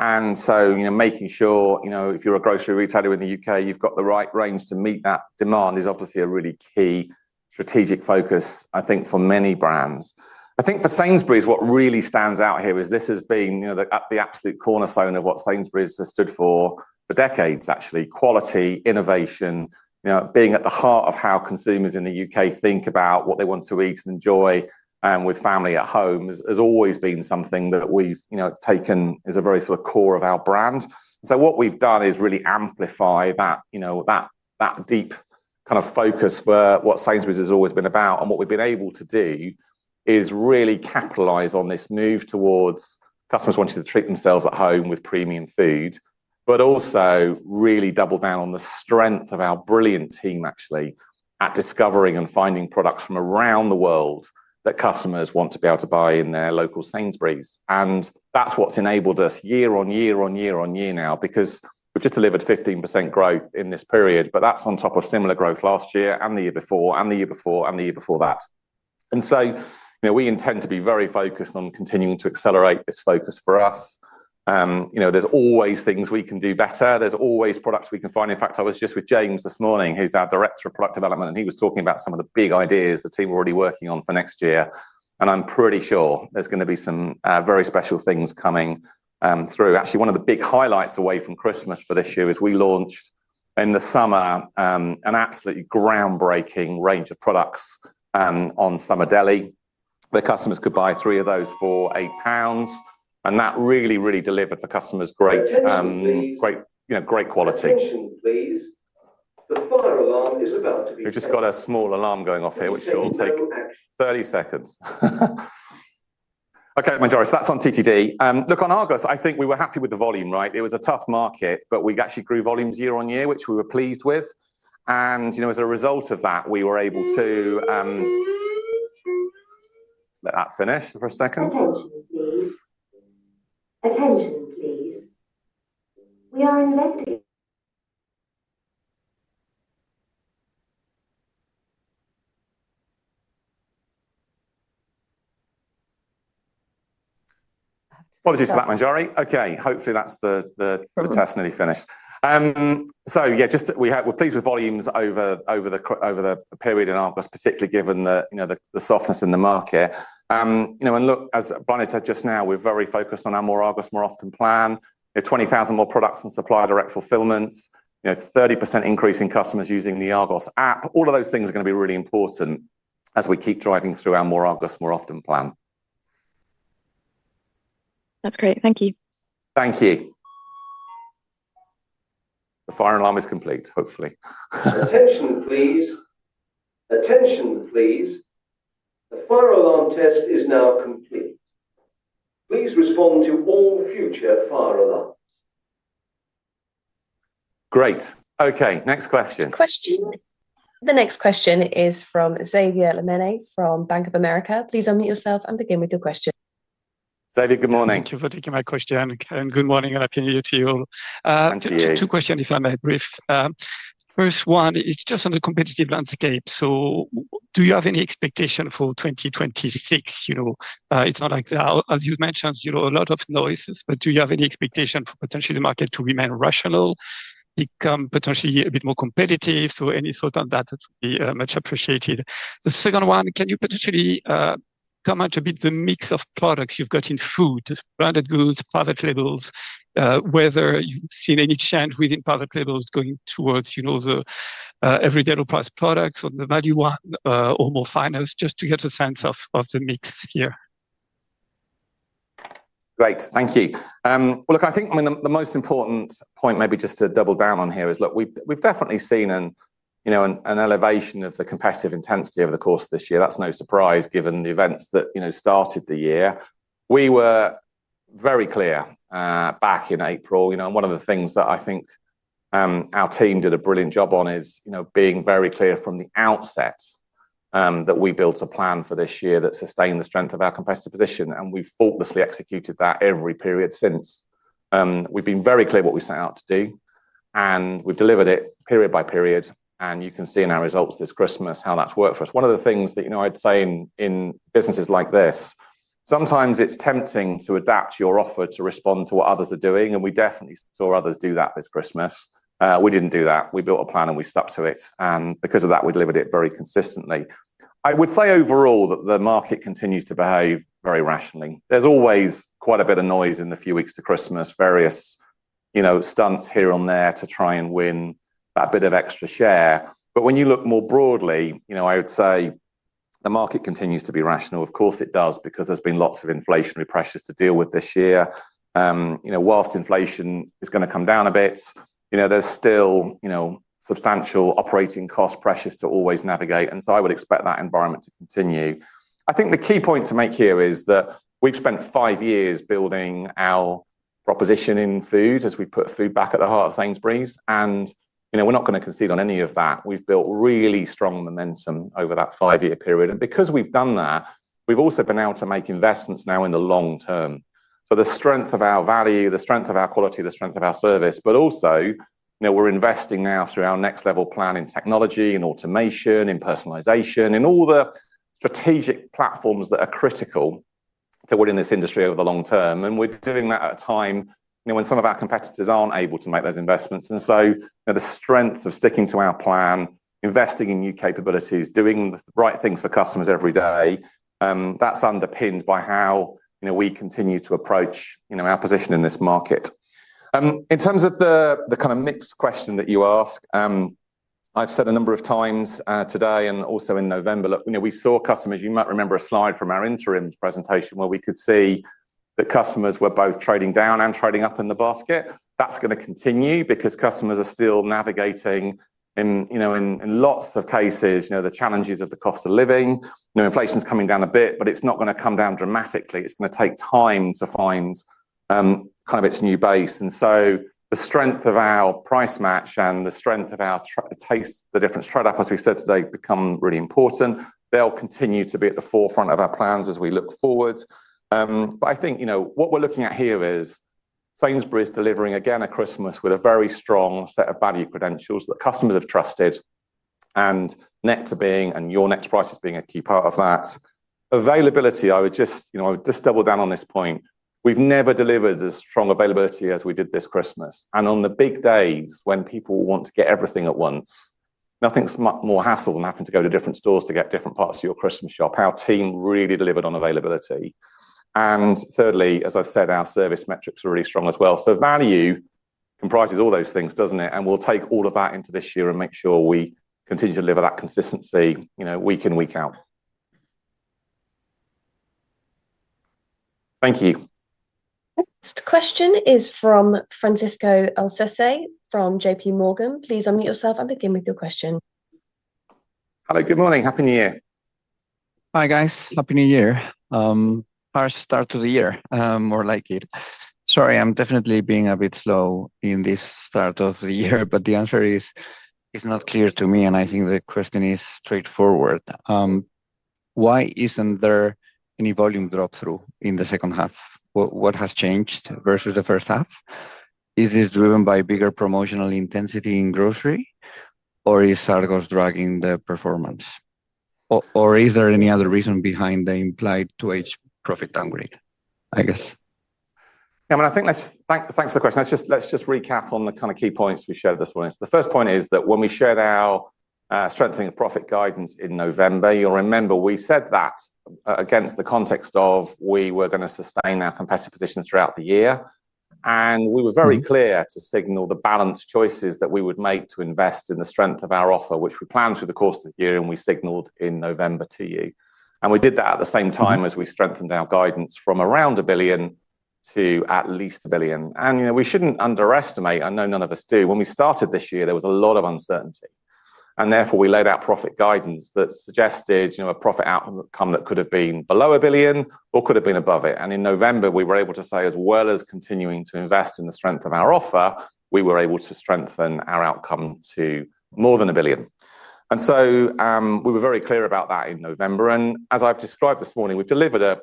And so making sure if you're a grocery retailer in the UK, you've got the right range to meet that demand is obviously a really key strategic focus, I think, for many brands. I think for Sainsbury's, what really stands out here is this has been at the absolute cornerstone of what Sainsbury's has stood for for decades, actually. Quality, innovation, being at the heart of how consumers in the UK think about what they want to eat and enjoy with family at home has always been something that we've taken as a very sort of core of our brand. So what we've done is really amplify that deep kind of focus for what Sainsbury's has always been about. And what we've been able to do is really capitalize on this move towards customers wanting to treat themselves at home with premium food, but also really double down on the strength of our brilliant team, actually, at discovering and finding products from around the world that customers want to be able to buy in their local Sainsbury's. And that's what's enabled us year on year on year on year now because we've just delivered 15% growth in this period, but that's on top of similar growth last year and the year before and the year before and the year before that. And so we intend to be very focused on continuing to accelerate this focus for us. There's always things we can do better. There's always products we can find. In fact, I was just with James this morning, who's our director of product development, and he was talking about some of the big ideas the team are already working on for next year. And I'm pretty sure there's going to be some very special things coming through. Actually, one of the big highlights away from Christmas for this year is we launched in the summer an absolutely groundbreaking range of products on Summer Deli. The customers could buy three of those for 8 pounds. And that really, really delivered for customers great quality. We've just got a small alarm going off here, which will take 30 seconds. Okay, Manjari, so that's on TTD. Look, on Argos, I think we were happy with the volume, right? It was a tough market, but we actually grew volumes year on year, which we were pleased with. And as a result of that, we were able to let that finish for a second. Apologies for that, Manjari. Okay, hopefully that's the test nearly finished. So yeah, just we're pleased with volumes over the period in Argos, particularly given the softness in the market. And look, as Bláthnaid said just now, we're very focused on our More Argos, More Often plan, 20,000 more products and supplier direct fulfillments, 30% increase in customers using the Argos app. All of those things are going to be really important as we keep driving through our More Argos, More Often plan. That's great. Thank you. Thank you. The fire alarm is complete, hopefully. Attention, please. Attention, please. The fire alarm test is now complete. Please respond to all future fire alarms. Great. Okay, next question. The next question is from Xavier Le Mené from Bank of America. Please unmute yourself and begin with your question. Xavier, good morning. Thank you for taking my question. Good morning and Happy New Year to you all. Two questions, if I may, brief. First one is just on the competitive landscape. So do you have any expectation for 2026? It's not like that. As you've mentioned, a lot of noises, but do you have any expectation for potentially the market to remain rational, become potentially a bit more competitive? So any thoughts on that would be much appreciated. The second one, can you potentially comment a bit on the mix of products you've got in food, branded goods, private labels, whether you've seen any change within private labels going towards the Everyday Low Price products or the value one or more Finest, just to get a sense of the mix here? Great. Thank you. Well, look, I think the most important point maybe just to double down on here is, look, we've definitely seen an elevation of the competitive intensity over the course of this year. That's no surprise given the events that started the year. We were very clear back in April. One of the things that I think our team did a brilliant job on is being very clear from the outset that we built a plan for this year that sustained the strength of our competitive position. And we've faultlessly executed that every period since. We've been very clear what we set out to do, and we've delivered it period by period. And you can see in our results this Christmas how that's worked for us. One of the things that I'd say in businesses like this, sometimes it's tempting to adapt your offer to respond to what others are doing. And we definitely saw others do that this Christmas. We didn't do that. We built a plan and we stuck to it. And because of that, we delivered it very consistently. I would say overall that the market continues to behave very rationally. There's always quite a bit of noise in the few weeks to Christmas, various stunts here and there to try and win that bit of extra share. But when you look more broadly, I would say the market continues to be rational. Of course, it does because there's been lots of inflationary pressures to deal with this year. While inflation is going to come down a bit, there's still substantial operating cost pressures to always navigate. And so I would expect that environment to continue. I think the key point to make here is that we've spent five years building our proposition in food as we put food back at the heart of Sainsbury's. And we're not going to concede on any of that. We've built really strong momentum over that five-year period. And because we've done that, we've also been able to make investments now in the long term. So the strength of our value, the strength of our quality, the strength of our service, but also we're investing now through our Next Level plan in technology, in automation, in personalization, in all the strategic platforms that are critical to win in this industry over the long term. And we're doing that at a time when some of our competitors aren't able to make those investments. And so the strength of sticking to our plan, investing in new capabilities, doing the right things for customers every day, that's underpinned by how we continue to approach our position in this market. In terms of the kind of mixed question that you asked, I've said a number of times today and also in November, look, we saw customers. You might remember a slide from our interim presentation where we could see that customers were both trading down and trading up in the basket. That's going to continue because customers are still navigating in lots of cases the challenges of the cost of living. Inflation's coming down a bit, but it's not going to come down dramatically. It's going to take time to find kind of its new base. And so the strength of our price match and the strength of our Taste the Difference trade-offs we've said today become really important. They'll continue to be at the forefront of our plans as we look forward. But I think what we're looking at here is Sainsbury's delivering again a Christmas with a very strong set of value credentials that customers have trusted and Nectar, and Your Nectar Prices, being a key part of that. Availability, I would just double down on this point. We've never delivered as strong availability as we did this Christmas. And on the big days when people want to get everything at once, nothing's more hassle than having to go to different stores to get different parts of your Christmas shop. Our team really delivered on availability. And thirdly, as I've said, our service metrics are really strong as well. So value comprises all those things, doesn't it? And we'll take all of that into this year and make sure we continue to deliver that consistency week in, week out. Thank you. Next question is from Borja Olcese from J.P. Morgan. Please unmute yourself and begin with your question. Hello, good morning. Happy New Year. Hi, guys. Happy New Year. Fast start to the year, more like it. Sorry, I'm definitely being a bit slow in this start of the year, but the answer is not clear to me, and I think the question is straightforward. Why isn't there any volume drop-through in the second half? What has changed versus the first half? Is this driven by bigger promotional intensity in grocery? Or is Argos dragging the performance? Or is there any other reason behind the implied 2H profit downgrade, I guess? I mean, I think thanks for the question. Let's just recap on the kind of key points we shared this morning. So the first point is that when we shared our strengthening of profit guidance in November, you'll remember we said that against the context of we were going to sustain our competitive positions throughout the year. And we were very clear to signal the balanced choices that we would make to invest in the strength of our offer, which we planned through the course of the year, and we signaled in November to you. And we did that at the same time as we strengthened our guidance from around 1 billion to at least 1 billion. And we shouldn't underestimate, I know none of us do. When we started this year, there was a lot of uncertainty. And therefore, we laid out profit guidance that suggested a profit outcome that could have been below £1 billion or could have been above it. And in November, we were able to say, as well as continuing to invest in the strength of our offer, we were able to strengthen our outcome to more than £1 billion. And so we were very clear about that in November. And as I've described this morning, we've delivered a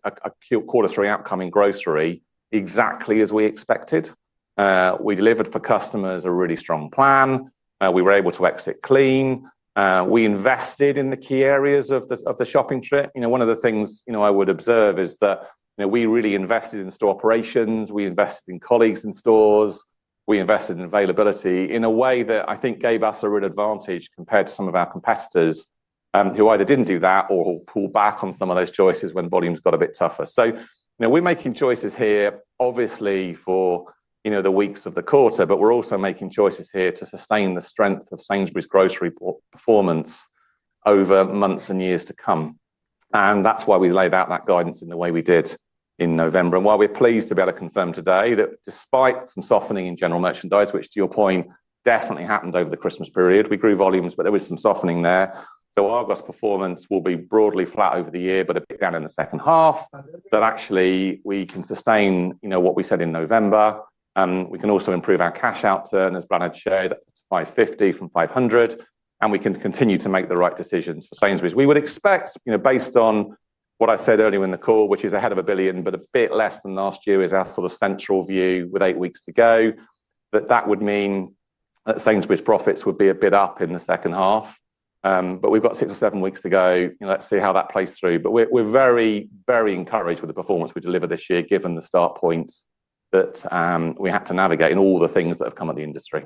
quarter-three outcome in grocery exactly as we expected. We delivered for customers a really strong plan. We were able to exit clean. We invested in the key areas of the shopping trip. One of the things I would observe is that we really invested in store operations. We invested in colleagues in stores. We invested in availability in a way that I think gave us a real advantage compared to some of our competitors who either didn't do that or pulled back on some of those choices when volumes got a bit tougher. So we're making choices here, obviously, for the weeks of the quarter, but we're also making choices here to sustain the strength of Sainsbury's grocery performance over months and years to come. And that's why we laid out that guidance in the way we did in November. And while we're pleased to be able to confirm today that despite some softening in general merchandise, which to your point definitely happened over the Christmas period, we grew volumes, but there was some softening there. So Argos' performance will be broadly flat over the year, but a bit down in the second half, that actually we can sustain what we said in November. We can also improve our cash outturn, as Bláthnaid showed, up to 550 from 500. And we can continue to make the right decisions for Sainsbury's. We would expect, based on what I said earlier in the call, which is ahead of 1 billion, but a bit less than last year is our sort of central view with eight weeks to go, that that would mean that Sainsbury's profits would be a bit up in the second half. But we've got six or seven weeks to go. Let's see how that plays through. But we're very, very encouraged with the performance we delivered this year, given the start point that we had to navigate and all the things that have come at the industry.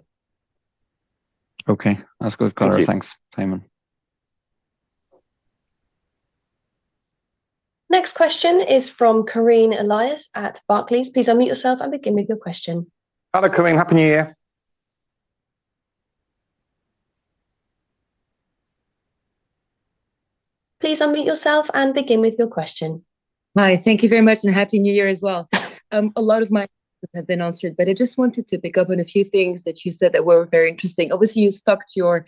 Okay. That's good. Thanks, Simon. Next question is from Karine Elias at Barclays. Please unmute yourself and begin with your question. Hello, Karine. Happy New Year. Please unmute yourself and begin with your question. Hi. Thank you very much and Happy New Year as well. A lot of my questions have been answered, but I just wanted to pick up on a few things that you said that were very interesting. Obviously, you stuck to your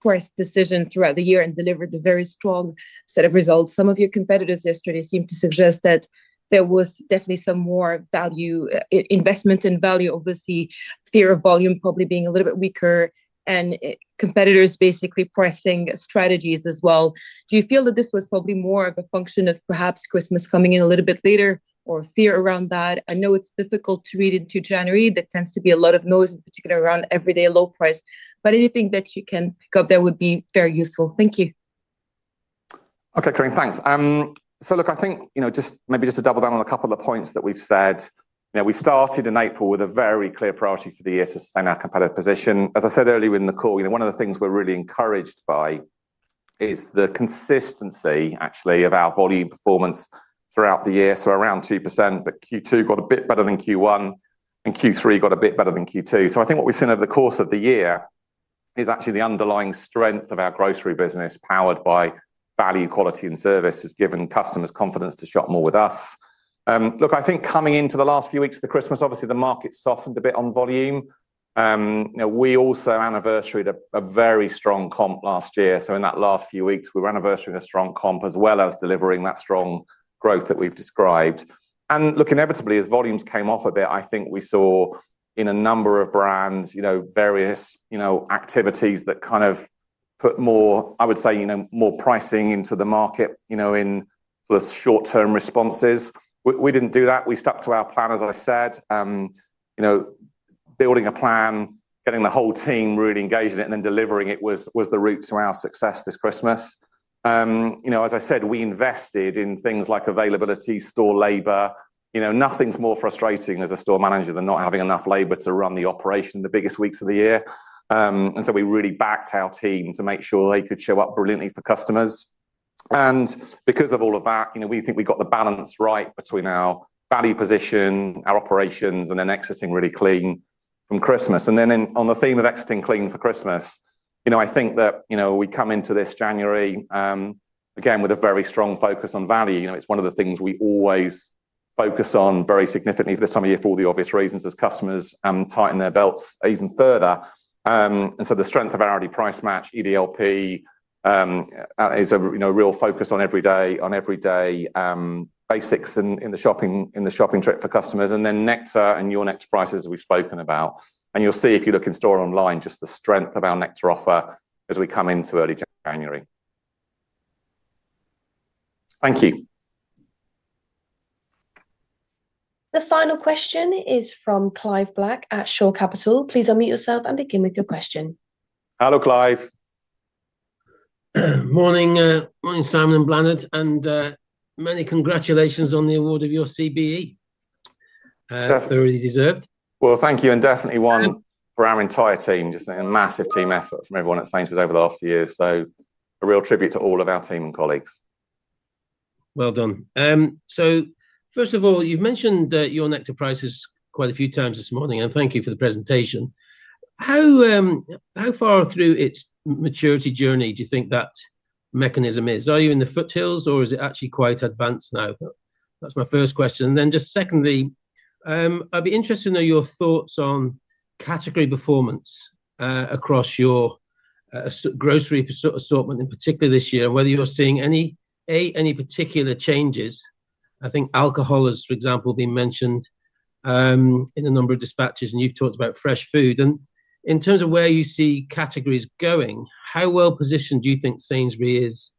price decision throughout the year and delivered a very strong set of results. Some of your competitors yesterday seemed to suggest that there was definitely some more value investment in value, obviously, fear of volume probably being a little bit weaker and competitors basically pricing strategies as well. Do you feel that this was probably more of a function of perhaps Christmas coming in a little bit later or fear around that? I know it's difficult to read into January. There tends to be a lot of noise, in particular around Everyday Low Price, but anything that you can pick up there would be very useful. Thank you. Okay, Karine, thanks. So look, I think just maybe just to double down on a couple of points that we've said. We started in April with a very clear priority for the year to sustain our competitive position. As I said earlier in the call, one of the things we're really encouraged by is the consistency, actually, of our volume performance throughout the year. So around 2%, but Q2 got a bit better than Q1 and Q3 got a bit better than Q2. So I think what we've seen over the course of the year is actually the underlying strength of our grocery business powered by value, quality, and service has given customers confidence to shop more with us. Look, I think coming into the last few weeks of the Christmas, obviously, the market softened a bit on volume. We also anniversaried a very strong comp last year. So in that last few weeks, we were anniversarying a strong comp as well as delivering that strong growth that we've described. And look, inevitably, as volumes came off a bit, I think we saw in a number of brands various activities that kind of put more, I would say, more pricing into the market in sort of short-term responses. We didn't do that. We stuck to our plan, as I said. Building a plan, getting the whole team really engaged in it, and then delivering it was the route to our success this Christmas. As I said, we invested in things like availability, store labor. Nothing's more frustrating as a store manager than not having enough labor to run the operation in the biggest weeks of the year. And so we really backed our team to make sure they could show up brilliantly for customers. Because of all of that, we think we got the balance right between our value position, our operations, and then exiting really clean from Christmas. Then on the theme of exiting clean for Christmas, I think that we come into this January, again, with a very strong focus on value. It's one of the things we always focus on very significantly this time of year for all the obvious reasons as customers tighten their belts even further. So the strength of our Aldi Price Match, EDLP, is a real focus on everyday basics in the shopping trip for customers. Then Nectar and Your Nectar Prices, as we've spoken about. You'll see if you look in-store online just the strength of our Nectar offer as we come into early January. Thank you. The final question is from Clive Black at Shore Capital. Please unmute yourself and begin with your question. Hello, Clive. Morning, Simon and Bláthnaid, and many congratulations on the award of your CBE, as they really deserved. Thank you. Definitely one for our entire team. Just a massive team effort from everyone at Sainsbury's over the last few years. A real tribute to all of our team and colleagues. Well done. So first of all, you've mentioned your Nectar Prices quite a few times this morning, and thank you for the presentation. How far through its maturity journey do you think that mechanism is? Are you in the foothills, or is it actually quite advanced now? That's my first question. And then just secondly, I'd be interested to know your thoughts on category performance across your grocery assortment, in particular this year, and whether you're seeing any particular changes. I think alcohol has, for example, been mentioned in a number of dispatches, and you've talked about fresh food. And in terms of where you see categories going, how well positioned do you think Sainsbury's is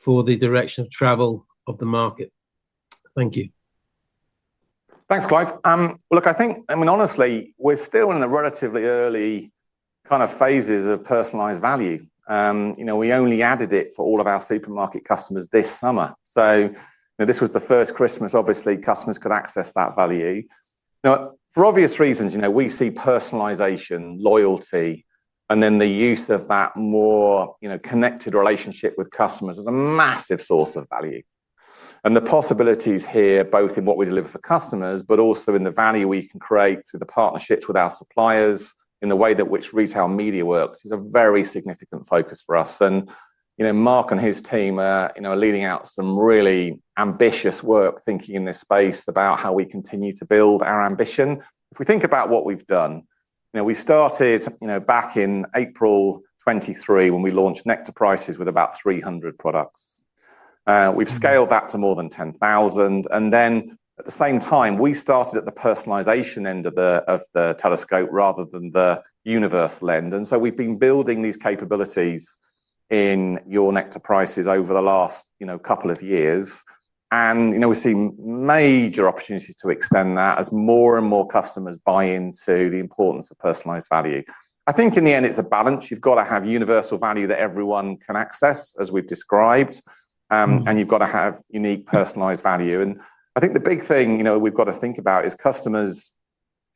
for the direction of travel of the market? Thank you. Thanks, Clive. Look, I think, I mean, honestly, we're still in the relatively early kind of phases of personalized value. We only added it for all of our supermarket customers this summer. So this was the first Christmas, obviously, customers could access that value. For obvious reasons, we see personalization, loyalty, and then the use of that more connected relationship with customers as a massive source of value. And the possibilities here, both in what we deliver for customers, but also in the value we can create through the partnerships with our suppliers in the way that which retail media works, is a very significant focus for us. And Mark and his team are leading out some really ambitious work, thinking in this space about how we continue to build our ambition. If we think about what we've done, we started back in April 2023 when we launched Nectar Prices with about 300 products. We've scaled that to more than 10,000. And then at the same time, we started at the personalization end of the telescope rather than the universal end. And so we've been building these capabilities in Your Nectar Prices over the last couple of years. And we've seen major opportunities to extend that as more and more customers buy into the importance of personalized value. I think in the end, it's a balance. You've got to have universal value that everyone can access, as we've described. And you've got to have unique personalized value. And I think the big thing we've got to think about is customers,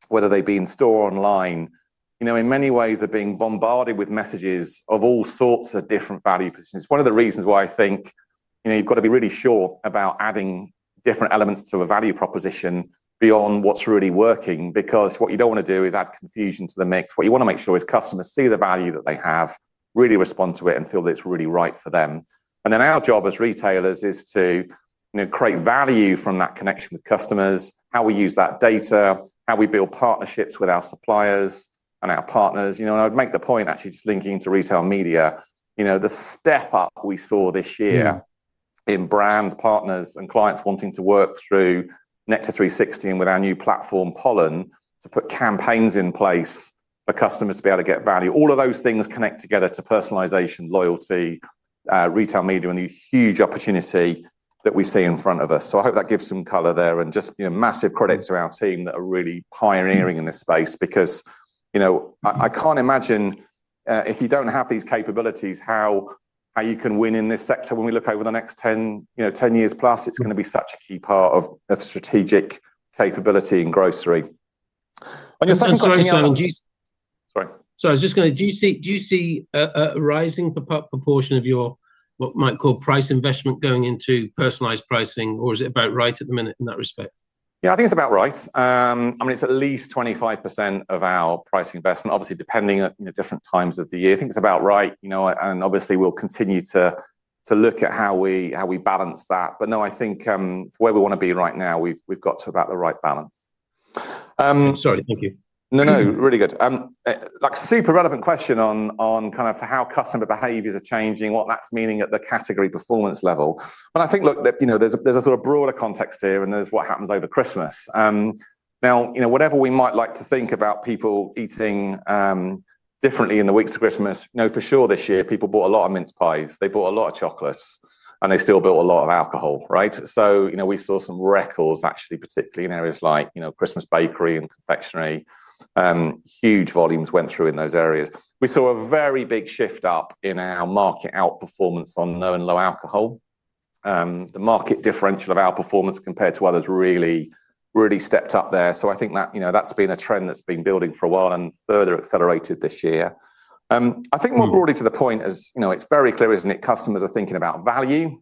whether they be in store or online, in many ways are being bombarded with messages of all sorts of different value positions. One of the reasons why I think you've got to be really sure about adding different elements to a value proposition beyond what's really working, because what you don't want to do is add confusion to the mix. What you want to make sure is customers see the value that they have, really respond to it, and feel that it's really right for them. Then our job as retailers is to create value from that connection with customers, how we use that data, how we build partnerships with our suppliers and our partners. I would make the point, actually, just linking to retail media, the step up we saw this year in brand partners and clients wanting to work through Nectar 360 and with our new platform, Pollen, to put campaigns in place for customers to be able to get value. All of those things connect together to personalization, loyalty, retail media, and the huge opportunity that we see in front of us. So I hope that gives some color there and just massive credit to our team that are really pioneering in this space, because I can't imagine if you don't have these capabilities, how you can win in this sector. When we look over the next 10 years plus, it's going to be such a key part of strategic capability in grocery. On your second question, sorry. Sorry, I was just going to ask, do you see a rising proportion of your what might call price investment going into personalized pricing, or is it about right at the minute in that respect? Yeah, I think it's about right. I mean, it's at least 25% of our pricing investment, obviously, depending on different times of the year. I think it's about right. And obviously, we'll continue to look at how we balance that. But no, I think where we want to be right now, we've got to about the right balance. Sorry, thank you. No, no, really good. Super relevant question on kind of how customer behaviors are changing, what that means at the category performance level. But I think, look, there's a sort of broader context here, and there's what happens over Christmas. Now, whatever we might like to think about people eating differently in the weeks of Christmas, for sure this year, people bought a lot of mince pies. They bought a lot of chocolates, and they still bought a lot of alcohol, right? So we saw some records, actually, particularly in areas like Christmas bakery and confectionery. Huge volumes went through in those areas. We saw a very big shift up in our market outperformance on low and no alcohol. The market differential of our performance compared to others really stepped up there. So I think that's been a trend that's been building for a while and further accelerated this year. I think more broadly to the point, it's very clear, isn't it? Customers are thinking about value,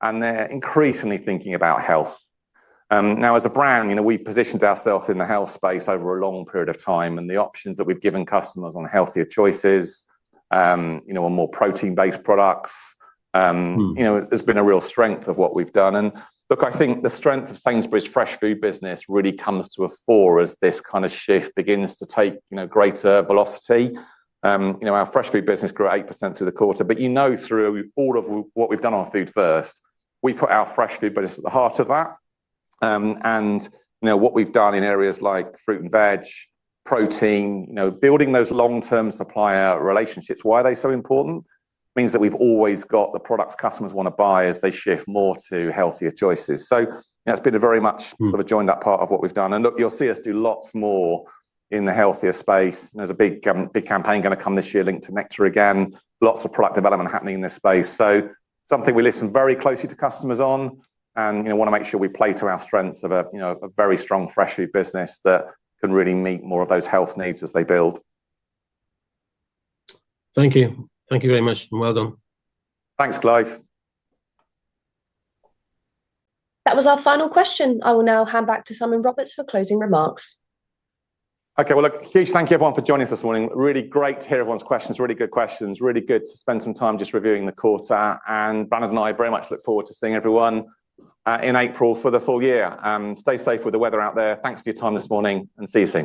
and they're increasingly thinking about health. Now, as a brand, we've positioned ourselves in the health space over a long period of time, and the options that we've given customers on healthier choices or more protein-based products has been a real strength of what we've done, and look, I think the strength of Sainsbury's fresh food business really comes to the fore as this kind of shift begins to take greater velocity. Our fresh food business grew 8% through the quarter, but you know, through all of what we've done on Food First, we put our fresh food business at the heart of that, and what we've done in areas like fruit and veg, protein, building those long-term supplier relationships, why are they so important? It means that we've always got the products customers want to buy as they shift more to healthier choices. So that's been a very much sort of a joined-up part of what we've done. And look, you'll see us do lots more in the healthier space. There's a big campaign going to come this year linked to Nectar again. Lots of product development happening in this space. So something we listen very closely to customers on and want to make sure we play to our strengths of a very strong fresh food business that can really meet more of those health needs as they build. Thank you. Thank you very much, and well done. Thanks, Clive. That was our final question. I will now hand back to Simon Roberts for closing remarks. Okay, well, a huge thank you, everyone, for joining us this morning. Really great to hear everyone's questions. Really good questions. Really good to spend some time just reviewing the quarter. And Bláthnaid and I very much look forward to seeing everyone in April for the full year. Stay safe with the weather out there. Thanks for your time this morning, and see you soon.